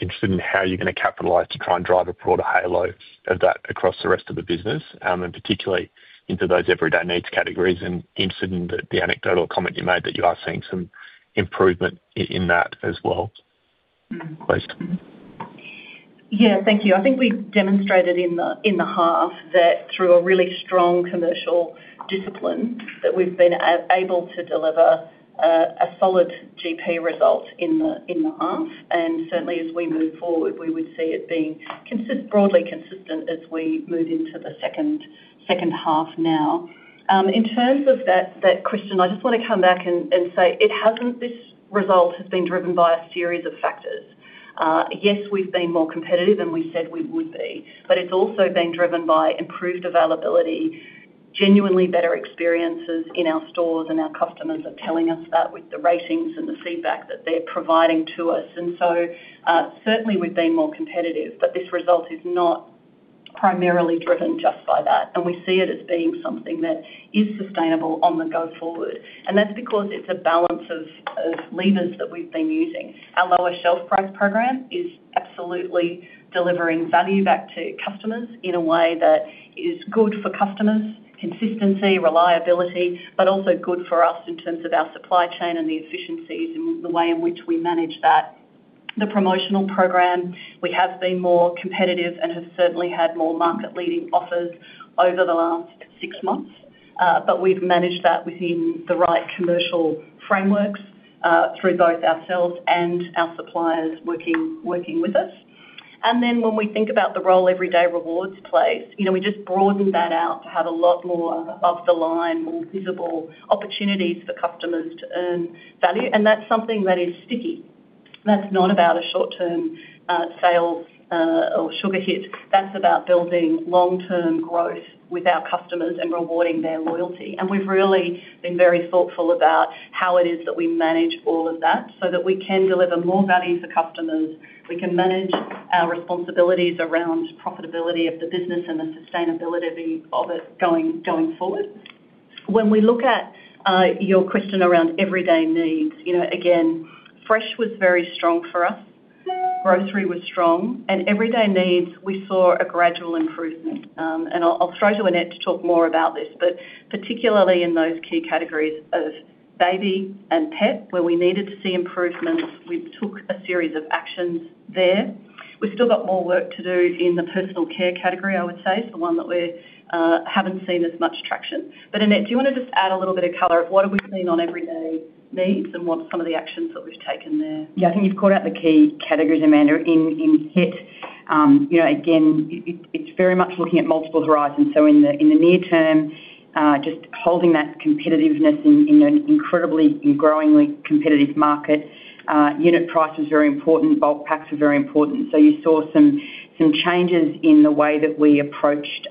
interested in how you're going to capitalize to try and drive a broader halo of that across the rest of the business, and particularly into those everyday needs categories. Interested in the anecdotal comment you made, that you are seeing some improvement in that as well. Question. Yeah, thank you. I think we've demonstrated in the half that through a really strong commercial discipline, that we've been able to deliver a solid GP result in the half. Certainly as we move forward, we would see it being broadly consistent as we move into the second half now. In terms of that question, I just want to come back and say it hasn't. This result has been driven by a series of factors. Yes, we've been more competitive than we said we would be. It's also been driven by improved availability, genuinely better experiences in our stores. Our customers are telling us that with the ratings and the feedback that they're providing to us. Certainly we've been more competitive, but this result is not primarily driven just by that, and we see it as being something that is sustainable on the go forward. That's because it's a balance of levers that we've been using. Our lower shelf price program is absolutely delivering value back to customers in a way that is good for customers, consistency, reliability, but also good for us in terms of our supply chain and the efficiencies and the way in which we manage that. The promotional program, we have been more competitive and have certainly had more market-leading offers over the last six months. But we've managed that within the right commercial frameworks through both ourselves and our suppliers working with us. Then when we think about the role Everyday Rewards plays, you know, we just broadened that out to have a lot more above the line, more visible opportunities for customers to earn value, and that's something that is sticky. That's not about a short-term, sales, or sugar hit. That's about building long-term growth with our customers and rewarding their loyalty. We've really been very thoughtful about how it is that we manage all of that, so that we can deliver more value for customers. We can manage our responsibilities around profitability of the business and the sustainability of it going forward. When we look at, your question around everyday needs, you know, again, fresh was very strong for us. Grocery was strong, and everyday needs, we saw a gradual improvement. I'll throw to Annette to talk more about this, but particularly in those key categories of baby and pet, where we needed to see improvements, we took a series of actions there. We've still got more work to do in the personal care category, I would say, it's the one that we haven't seen as much traction. Annette, do you want to just add a little bit of color of what have we seen on everyday needs and what some of the actions that we've taken there? Yeah, I think you've caught out the key categories, Amanda. In it, you know, again, it's very much looking at multiple horizons. In the near term, just holding that competitiveness in an incredibly and growingly competitive market, unit price is very important, bulk packs are very important. You saw some changes in the way that we approached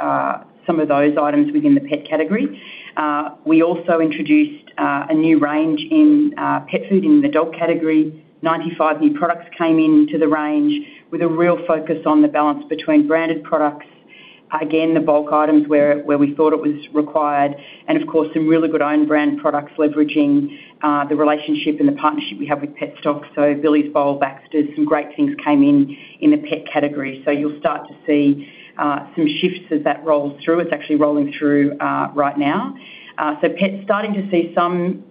some of those items within the pet category. We also introduced a new range in pet food in the dog category. 95 new products came into the range with a real focus on the balance between branded products, again, the bulk items where we thought it was required, and of course, some really good own brand products leveraging the relationship and the partnership we have with Petstock. Billy Bowl Back did some great things, came in in the pet category. You'll start to see some shifts as that rolls through. It's actually rolling through right now. Pets, starting to see some.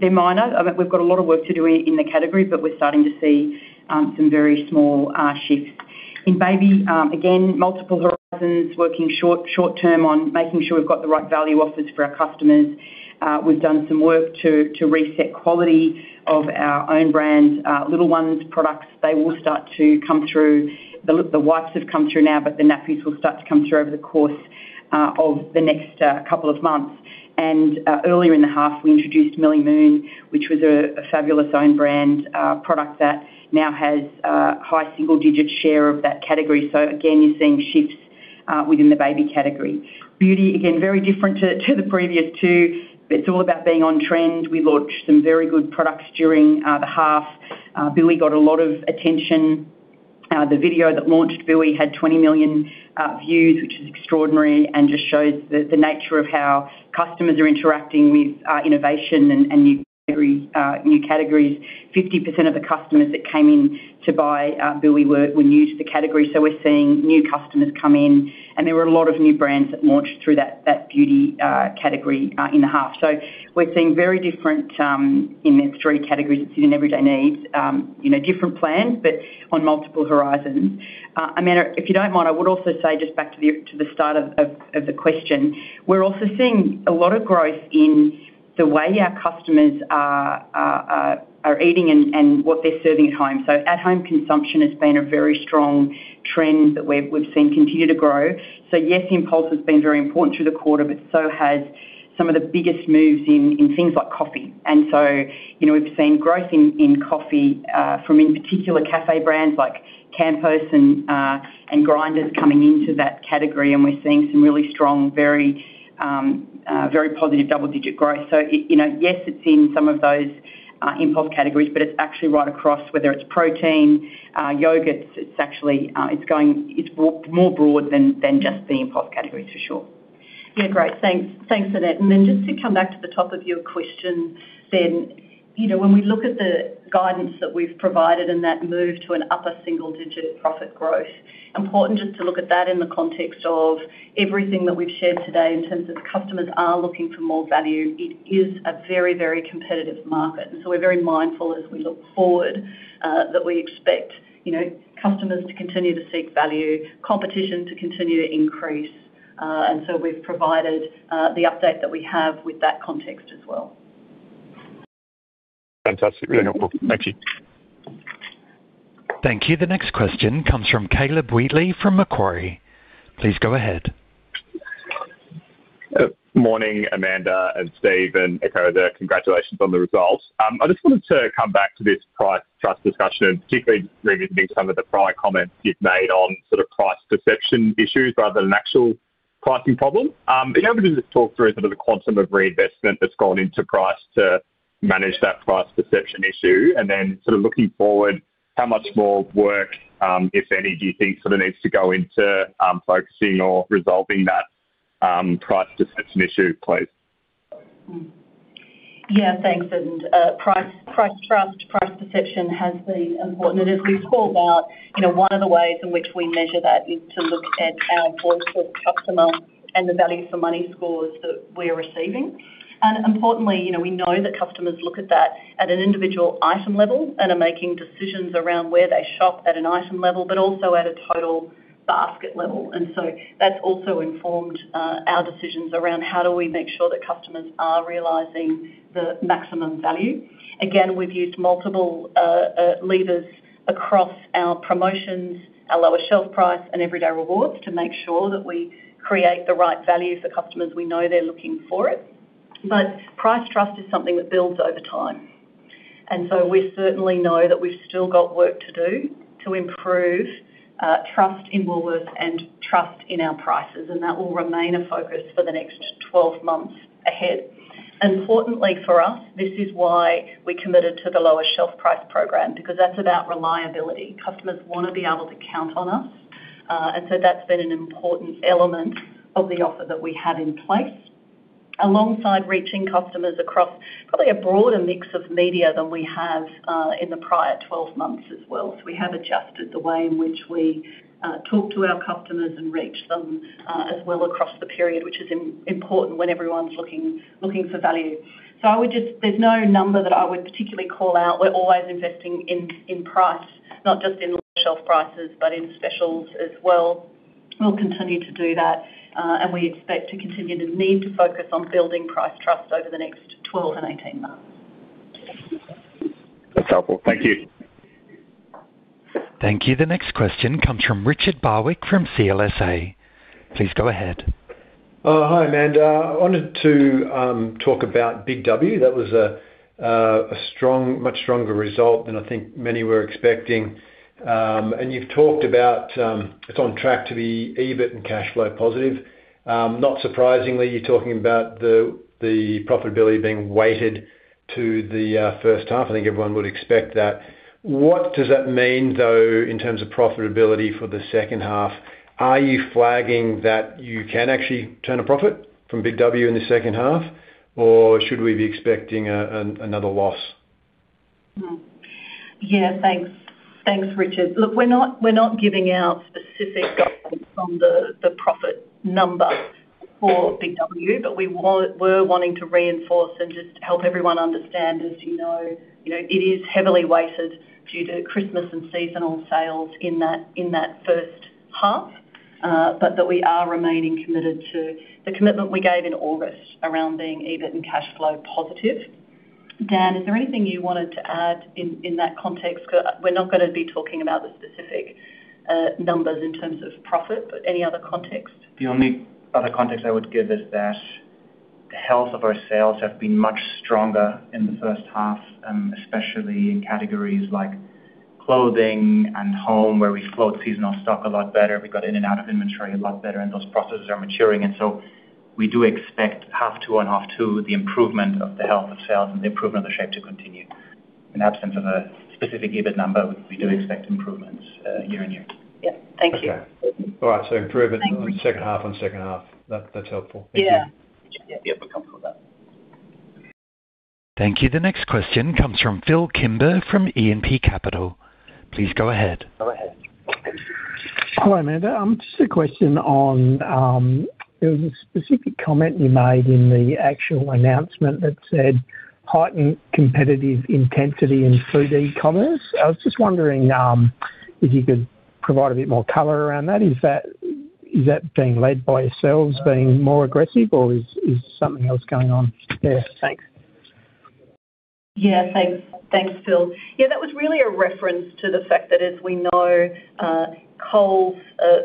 They're minor. I mean, we've got a lot of work to do in the category, but we're starting to see some very small shifts. In baby, again, multiple horizons, working short term on making sure we've got the right value offers for our customers. We've done some work to reset quality of our own brand Little Ones products. They will start to come through. The wipes have come through now, but the nappies will start to come through over the course of the next couple of months. Earlier in the half, we introduced Millie Moon, which was a fabulous own brand product that now has a high single-digit share of that category. Again, you're seeing shifts within the baby category. Beauty, again, very different to the previous two. It's all about being on trend. We launched some very good products during the half. Billie got a lot of attention. The video that launched Billie had 20 million views, which is extraordinary, and just shows the nature of how customers are interacting with innovation and new categories. 50% of the customers that came in to buy Billie were new to the category, so we're seeing new customers come in, and there were a lot of new brands that launched through that beauty category in the half. We're seeing very different in those three categories, in everyday needs, you know, different plans, but on multiple horizons. Amanda, if you don't mind, I would also say, just back to the start of the question, we're also seeing a lot of growth in the way our customers are eating and what they're serving at home. At-home consumption has been a very strong trend that we've seen continue to grow. Yes, impulse has been very important through the quarter, but so has some of the biggest moves in things like coffee. You know, we've seen growth in coffee, from, in particular, cafe brands like Campos Coffee and Grinders coming into that category, and we're seeing some really strong, very, very positive double-digit growth. You know, yes, it's in some of those impulse categories, but it's actually right across, whether it's protein, yogurts. It's actually, it's more broad than just the impulse categories, for sure. Yeah, great. Thanks. Thanks, Annette. Just to come back to the top of your question, then, you know, when we look at the guidance that we've provided and that move to an upper single-digit profit growth, important just to look at that in the context of everything that we've shared today in terms of customers are looking for more value. It is a very, very competitive market, and so we're very mindful as we look forward, that we expect, you know, customers to continue to seek value, competition to continue to increase. We've provided the update that we have with that context as well. Fantastic. Very helpful. Thank you. Thank you. The next question comes from Caleb Wheatley, from Macquarie. Please go ahead. Morning, Amanda and Steve, and echo the congratulations on the results. I just wanted to come back to this price-trust discussion, and particularly revisiting some of the prior comments you've made on sort of price perception issues rather than actual pricing problem. Are you able to just talk through some of the quantum of reinvestment that's gone into price to manage that price perception issue? Then sort of looking forward, how much more work, if any, do you think sort of needs to go into focusing or resolving that price perception issue, please? Yeah, thanks. Price trust, price perception has been important. As we've called out, you know, one of the ways in which we measure that is to look at our Voice of the Customer and the value for money scores that we're receiving. Importantly, you know, we know that customers look at that at an individual item level and are making decisions around where they shop at an item level, but also at a total basket level. So that's also informed our decisions around how do we make sure that customers are realizing the maximum value. Again, we've used multiple levers across our promotions, our lower shelf price, and Everyday Rewards to make sure that we create the right value for customers. We know they're looking for it. Price trust is something that builds over time, we certainly know that we've still got work to do to improve, trust in Woolworths and trust in our prices, and that will remain a focus for the next 12 months ahead. Importantly, for us, this is why we committed to the lower shelf price program, because that's about reliability. Customers want to be able to count on us, and so that's been an important element of the offer that we have in place. Alongside reaching customers across probably a broader mix of media than we have, in the prior 12 months as well. We have adjusted the way in which we, talk to our customers and reach them, as well across the period, which is important when everyone's looking for value. I would just. There's no number that I would particularly call out. We're always investing in price, not just in lower shelf prices, but in specials as well. We'll continue to do that, and we expect to continue to need to focus on building price trust over the next 12 and 18 months. That's helpful. Thank you. Thank you. The next question comes from Richard Barwick, from CLSA. Please go ahead. Hi, Amanda. I wanted to talk about BIG W. That was a strong, much stronger result than I think many were expecting. You've talked about it's on track to be EBIT and cash flow positive. Not surprisingly, you're talking about the profitability being weighted to the first half. I think everyone would expect that. What does that mean, though, in terms of profitability for the second half? Are you flagging that you can actually turn a profit from BIG W in the second half, or should we be expecting another loss? Yeah, thanks. Thanks, Richard. We're not giving out specific guidance on the profit number for BIG W, but we're wanting to reinforce and just help everyone understand, as you know, it is heavily weighted due to Christmas and seasonal sales in that first half, but that we are remaining committed to the commitment we gave in August around being EBIT and cash flow positive. Dan, is there anything you wanted to add in that context? We're not gonna be talking about the specific numbers in terms of profit, but any other context? The only other context I would give is that the health of our sales have been much stronger in the first half, especially in categories like clothing and home, where we flowed seasonal stock a lot better. We got in and out of inventory a lot better, and those processes are maturing. We do expect H2 on H2, the improvement of the health of sales and the improvement of the shape to continue. In absence of a specific EBIT number, we do expect improvements year-on-year. Yeah. Thank you. Okay. All right, improvement on second half. That's helpful. Yeah. Yeah, we're comfortable with that. Thank you. The next question comes from Phillip Kimber, from E&P Capital. Please go ahead. Go ahead. Hi, Amanda. Just a question on, there was a specific comment you made in the actual announcement that said, "heightened competitive intensity in food e-commerce." I was just wondering, if you could provide a bit more color around that. Is that being led by yourselves being more aggressive, or is something else going on there? Thanks. Yeah, thanks. Thanks, Phil. Yeah, that was really a reference to the fact that, as we know, Coles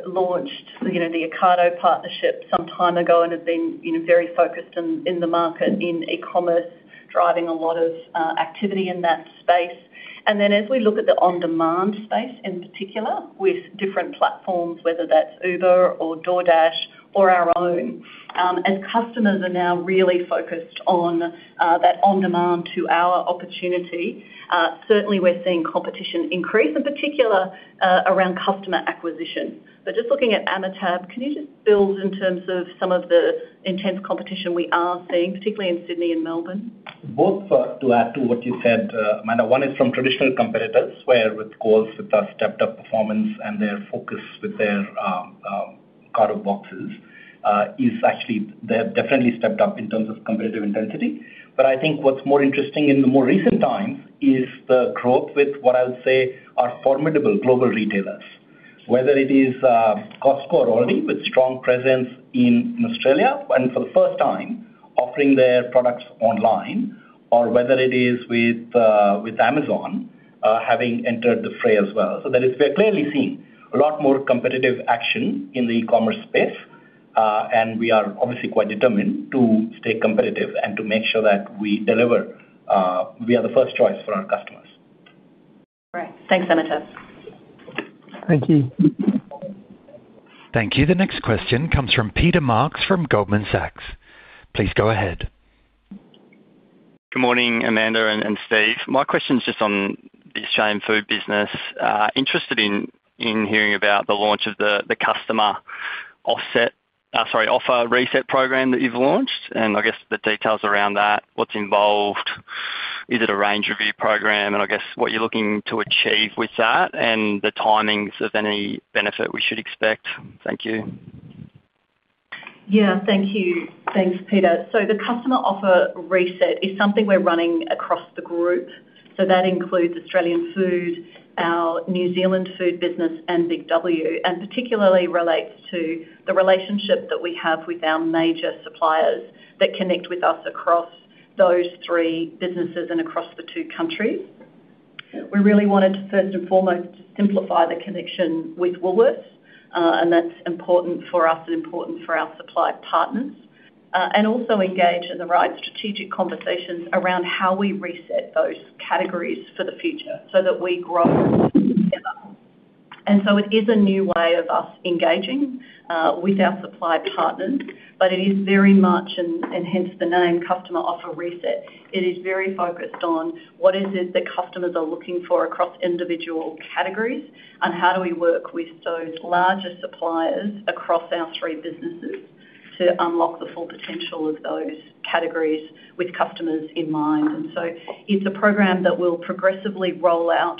launched, you know, the Ocado partnership some time ago and has been, you know, very focused in the market, in e-commerce, driving a lot of activity in that space. As we look at the on-demand space, in particular, with different platforms, whether that's Uber or DoorDash or our own, and customers are now really focused on that on-demand two-hour opportunity. Certainly we're seeing competition increase, in particular, around customer acquisition. Just looking at Amitabh, can you just build in terms of some of the intense competition we are seeing, particularly in Sydney and Melbourne? Both, to add to what you said, Amanda, one is from traditional competitors, where with Coles, with our stepped-up performance and their focus with their card boxes, is actually they have definitely stepped up in terms of competitive intensity. I think what's more interesting in the more recent times is the growth with what I'll say, are formidable global retailers. Whether it is Costco already, with strong presence in Australia, and for the first time, offering their products online, or whether it is with Amazon, having entered the fray as well. That is, we're clearly seeing a lot more competitive action in the e-commerce space, and we are obviously quite determined to stay competitive and to make sure that we deliver, we are the first choice for our customers. Great. Thanks, Amitabh. Thank you. Thank you. The next question comes from Peter Marks, from Goldman Sachs. Please go ahead. Good morning, Amanda and Steve. My question is just on the Australian Food business. interested in hearing about the launch of the customer offset, sorry, Customer Offer Reset program that you've launched, and I guess the details around that, what's involved? Is it a range review program? I guess what you're looking to achieve with that and the timings of any benefit we should expect. Thank you. Yeah, thank you. Thanks, Peter. The Customer Offer Reset is something we're running across the group. That includes Australian Food, our New Zealand Food business, and BIG W, and particularly relates to the relationship that we have with our major suppliers that connect with us across those 3 businesses and across the 2 countries. We really wanted to, first and foremost, simplify the connection with Woolworths, and that's important for us and important for our supplier partners. Also engage in the right strategic conversations around how we reset those categories for the future so that we grow together. It is a new way of us engaging with our supplier partners, but it is very much, and hence the name, Customer Offer Reset. It is very focused on what is it that customers are looking for across individual categories, and how do we work with those larger suppliers across our three businesses to unlock the full potential of those categories with customers in mind. It's a program that will progressively roll out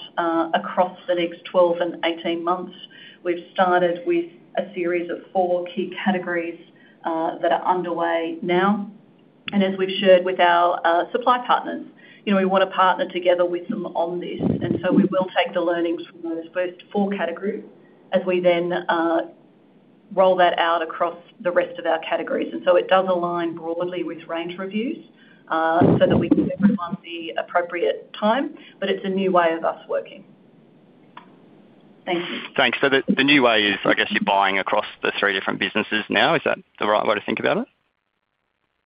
across the next 12 and 18 months. We've started with a series of 4 key categories that are underway now. As we've shared with our supply partners, you know, we want to partner together with them on this. We will take the learnings from those first 4 categories as we then roll that out across the rest of our categories. It does align broadly with range reviews so that we give everyone the appropriate time, but it's a new way of us working. Thank you. Thanks. The new way is, I guess, you're buying across the 3 different businesses now. Is that the right way to think about it?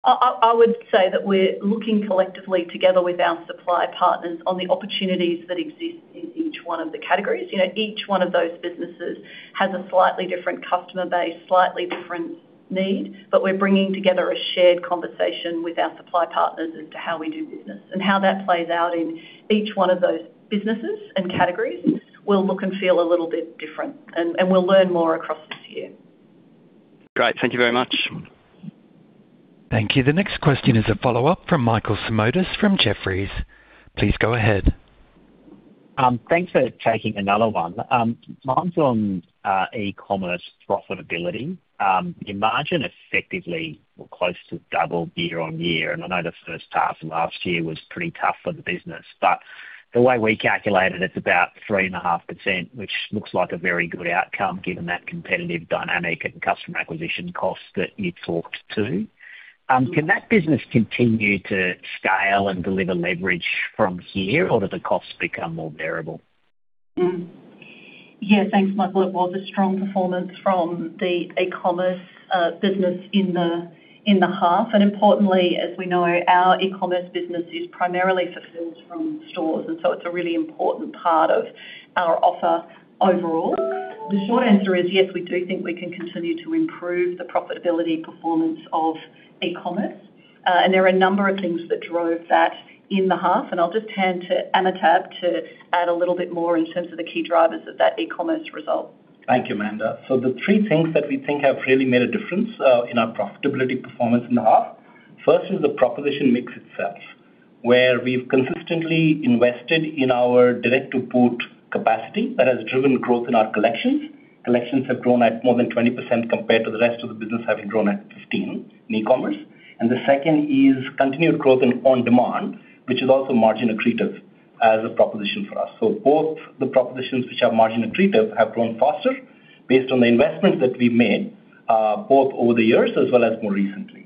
I would say that we're looking collectively together with our supplier partners on the opportunities that exist in each one of the categories. You know, each one of those businesses has a slightly different customer base, slightly different need, but we're bringing together a shared conversation with our supply partners as to how we do business. How that plays out in each one of those businesses and categories will look and feel a little bit different, and we'll learn more across this year. Great. Thank you very much. Thank you. The next question is a follow-up from Michael Simotas from Jefferies. Please go ahead. Thanks for taking another one. Mine's on e-commerce profitability. Your margin effectively or close to double year-over-year, and I know the first half of last year was pretty tough for the business, but the way we calculate it's about 3.5%, which looks like a very good outcome, given that competitive dynamic and customer acquisition costs that you talked to. Can that business continue to scale and deliver leverage from here, or do the costs become more variable? Yeah, thanks, Michael. It was a strong performance from the e-commerce business in the half. Importantly, as we know, our e-commerce business is primarily fulfilled from stores. It's a really important part of our offer overall. The short answer is, yes, we do think we can continue to improve the profitability performance of e-commerce. There are a number of things that drove that in the half. I'll just hand to Amitabh to add a little bit more in terms of the key drivers of that e-commerce result. Thank you, Amanda. The three things that we think have really made a difference in our profitability performance in the half. First is the proposition mix itself, where we've consistently invested in our Direct to Boot capacity that has driven growth in our collections. Collections have grown at more than 20% compared to the rest of the business, having grown at 15% in e-commerce. The second is continued growth in on-demand, which is also margin accretive as a proposition for us. Both the propositions which are margin accretive have grown faster based on the investment that we've made both over the years as well as more recently.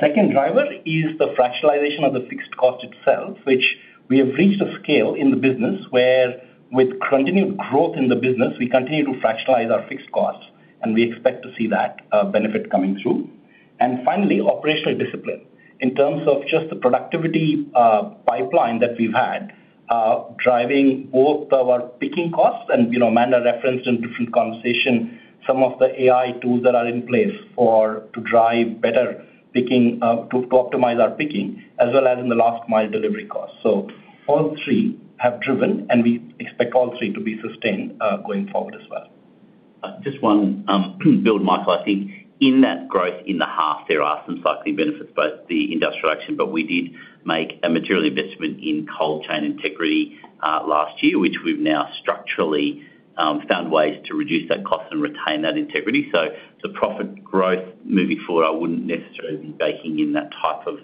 Second driver is the fractionalization of the fixed cost itself, which we have reached a scale in the business, where with continued growth in the business, we continue to fractionalize our fixed costs, and we expect to see that benefit coming through. Finally, operational discipline. In terms of just the productivity pipeline that we've had, driving both our picking costs and, you know, Amanda referenced in different conversation some of the AI tools that are in place to drive better picking, to optimize our picking, as well as in the last mile delivery cost. All three have driven, and we expect all three to be sustained going forward as well. Just one build, Michael, I think in that growth in the half, there are some cycling benefits, but the industrial action, but we did make a material investment in cold chain integrity last year, which we've now structurally found ways to reduce that cost and retain that integrity. The profit growth moving forward, I wouldn't necessarily be baking in that type of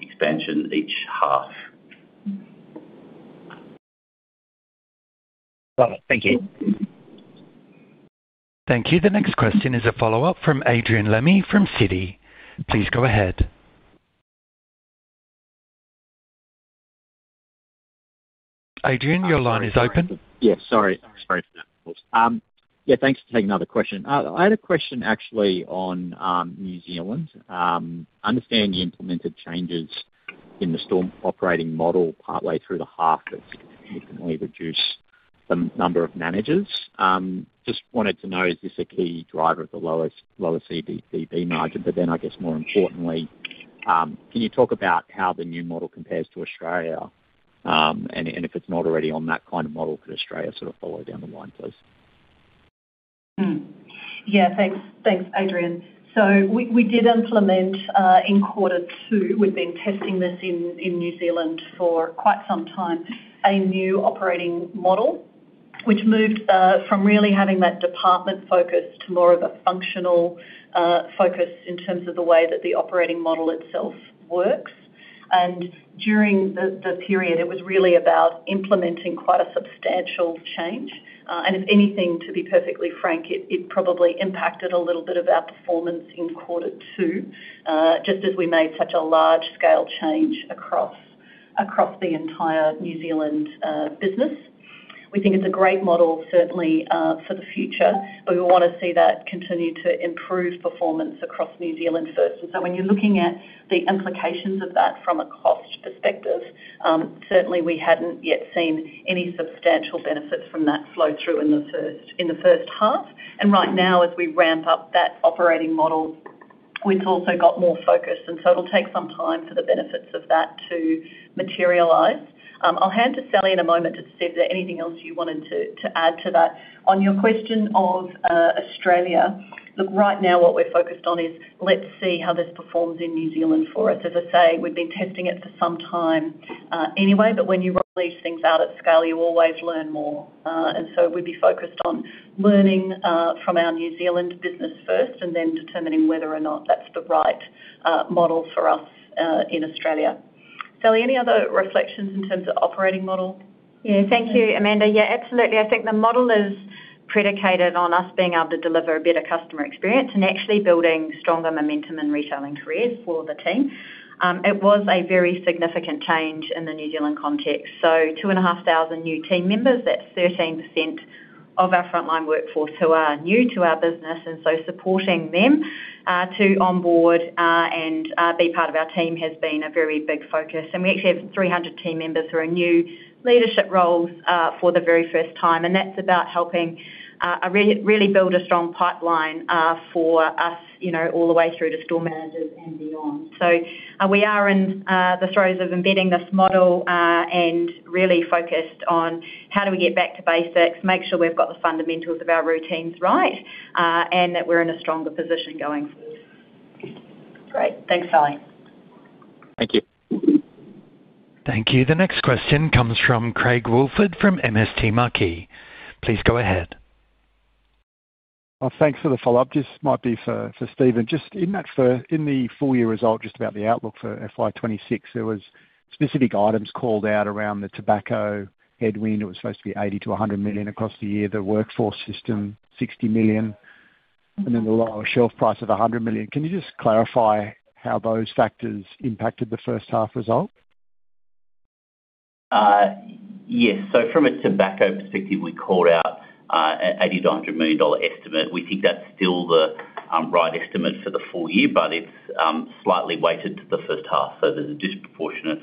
expansion each half. Got it. Thank you. Thank you. The next question is a follow-up from Adrian Lemme from Citi. Please go ahead. Adrian, your line is open. Yeah, sorry. Sorry for that, of course. Yeah, thanks for taking another question. I had a question actually on New Zealand. Understanding the implemented changes in the store operating model partway through the half, that's significantly reduced the number of managers. Just wanted to know, is this a key driver of the lower CBP margin? I guess more importantly, can you talk about how the new model compares to Australia? If it's not already on that kind of model, could Australia sort of follow down the line, please? Yeah. Thanks. Thanks, Adrian Lemme. We did implement in Q2. We've been testing this in New Zealand for quite some time, a new operating model, which moved from really having that department focus to more of a functional focus in terms of the way that the operating model itself works. During the period, it was really about implementing quite a substantial change. If anything, to be perfectly frank, it probably impacted a little bit of our performance in Q2, just as we made such a large scale change across the entire New Zealand business. We think it's a great model, certainly for the future, but we wanna see that continue to improve performance across New Zealand first. When you're looking at the implications of that from a cost perspective, certainly we hadn't yet seen any substantial benefits from that flow through in the first, in the first half. Right now, as we ramp up that operating model, we've also got more focus, and so it'll take some time for the benefits of that to materialize. I'll hand to Sally in a moment to see if there anything else you wanted to add to that. Your question of Australia, look, right now what we're focused on is let's see how this performs in New Zealand for us. As I say, we've been testing it for some time, anyway, but when you release things out at scale, you always learn more. We'd be focused on learning from our New Zealand business first, and then determining whether or not that's the right model for us in Australia. Sally, any other reflections in terms of operating model? Thank you, Amanda. Absolutely. I think the model is predicated on us being able to deliver a better customer experience and actually building stronger momentum and retailing careers for the team. It was a very significant change in the New Zealand context. 2,500 new team members, that's 13% of our frontline workforce who are new to our business. Supporting them to onboard and be part of our team has been a very big focus. We actually have 300 team members who are new leadership roles for the very first time. That's about helping a really build a strong pipeline for us, you know, all the way through to store managers and beyond. We are in the throes of embedding this model, and really focused on how do we get back to basics, make sure we've got the fundamentals of our routines right, and that we're in a stronger position going forward. Great. Thanks, Sally. Thank you. Thank you. The next question comes from Craig Woolford, from MST Marquee. Please go ahead. Thanks for the follow-up. Just might be for Stephen, just in that in the full year result, just about the outlook for FY 2026, there was specific items called out around the tobacco headwind. It was supposed to be 80 million-100 million across the year, the workforce system, 60 million, and then the lower shelf price of 100 million. Can you just clarify how those factors impacted the first half result? Yes. So from a tobacco perspective, we called out an 80 million-100 million dollar estimate. We think that's still the right estimate for the full year, but it's slightly weighted to the first half. So there's a disproportionate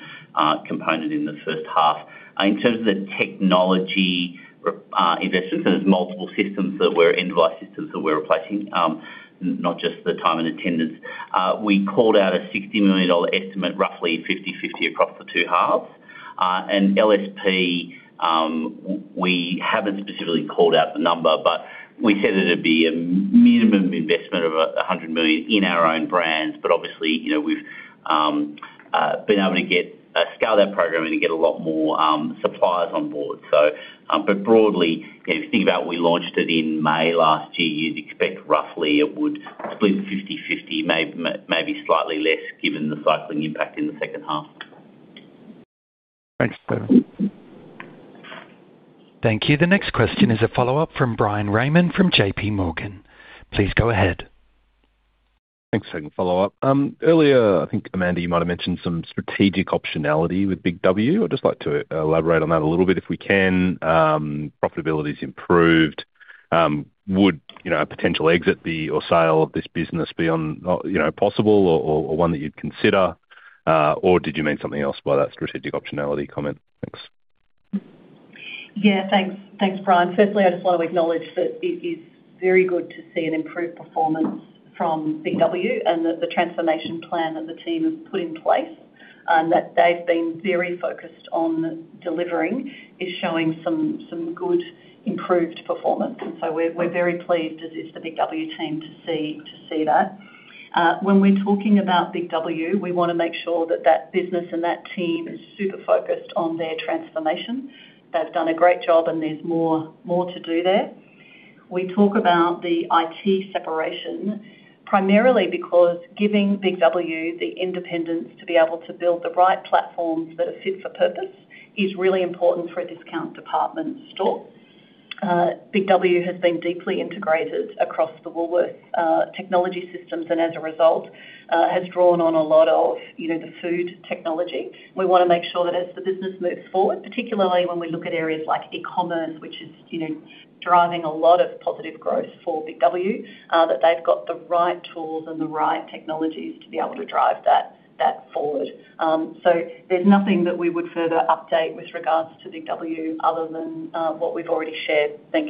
component in the first half. In terms of the technology investments, there's multiple systems that we're, end device systems that we're replacing, not just the time and attendance. We called out a 60 million dollar estimate, roughly 50/50 across the two halves. And LSP, we haven't specifically called out the number, but we said it'd be a minimum investment of 100 million in our own brands. But obviously, you know, we've been able to get scale that program and get a lot more suppliers on board. Broadly, if you think about we launched it in May last year, you'd expect roughly it would split 50/50, may, maybe slightly less, given the cycling impact in the second half. Thanks, Phil. Thank you. The next question is a follow-up from Bryan Raymond from JPMorgan. Please go ahead. Thanks for the follow-up. Earlier, I think, Amanda, you might have mentioned some strategic optionality with BIG W. I'd just like to elaborate on that a little bit if we can. Profitability's improved. Would, you know, a potential exit be, or sale of this business be on, you know, possible or one that you'd consider? Did you mean something else by that strategic optionality comment? Thanks. Thanks. Thanks, Brian. Firstly, I just want to acknowledge that it is very good to see an improved performance from BIG W and that the transformation plan that the team has put in place, and that they've been very focused on delivering, is showing some good improved performance. We're very pleased, as is the BIG W team, to see that. When we're talking about BIG W, we want to make sure that that business and that team is super focused on their transformation. They've done a great job and there's more to do there. We talk about the IT separation primarily because giving BIG W the independence to be able to build the right platforms that are fit for purpose is really important for a discount department store. BIG W has been deeply integrated across the Woolworths technology systems. As a result, has drawn on a lot of, you know, the food technology. We want to make sure that as the business moves forward, particularly when we look at areas like e-commerce, which is, you know, driving a lot of positive growth for BIG W, that they've got the right tools and the right technologies to be able to drive that forward. There's nothing that we would further update with regards to BIG W other than what we've already shared. Thank you.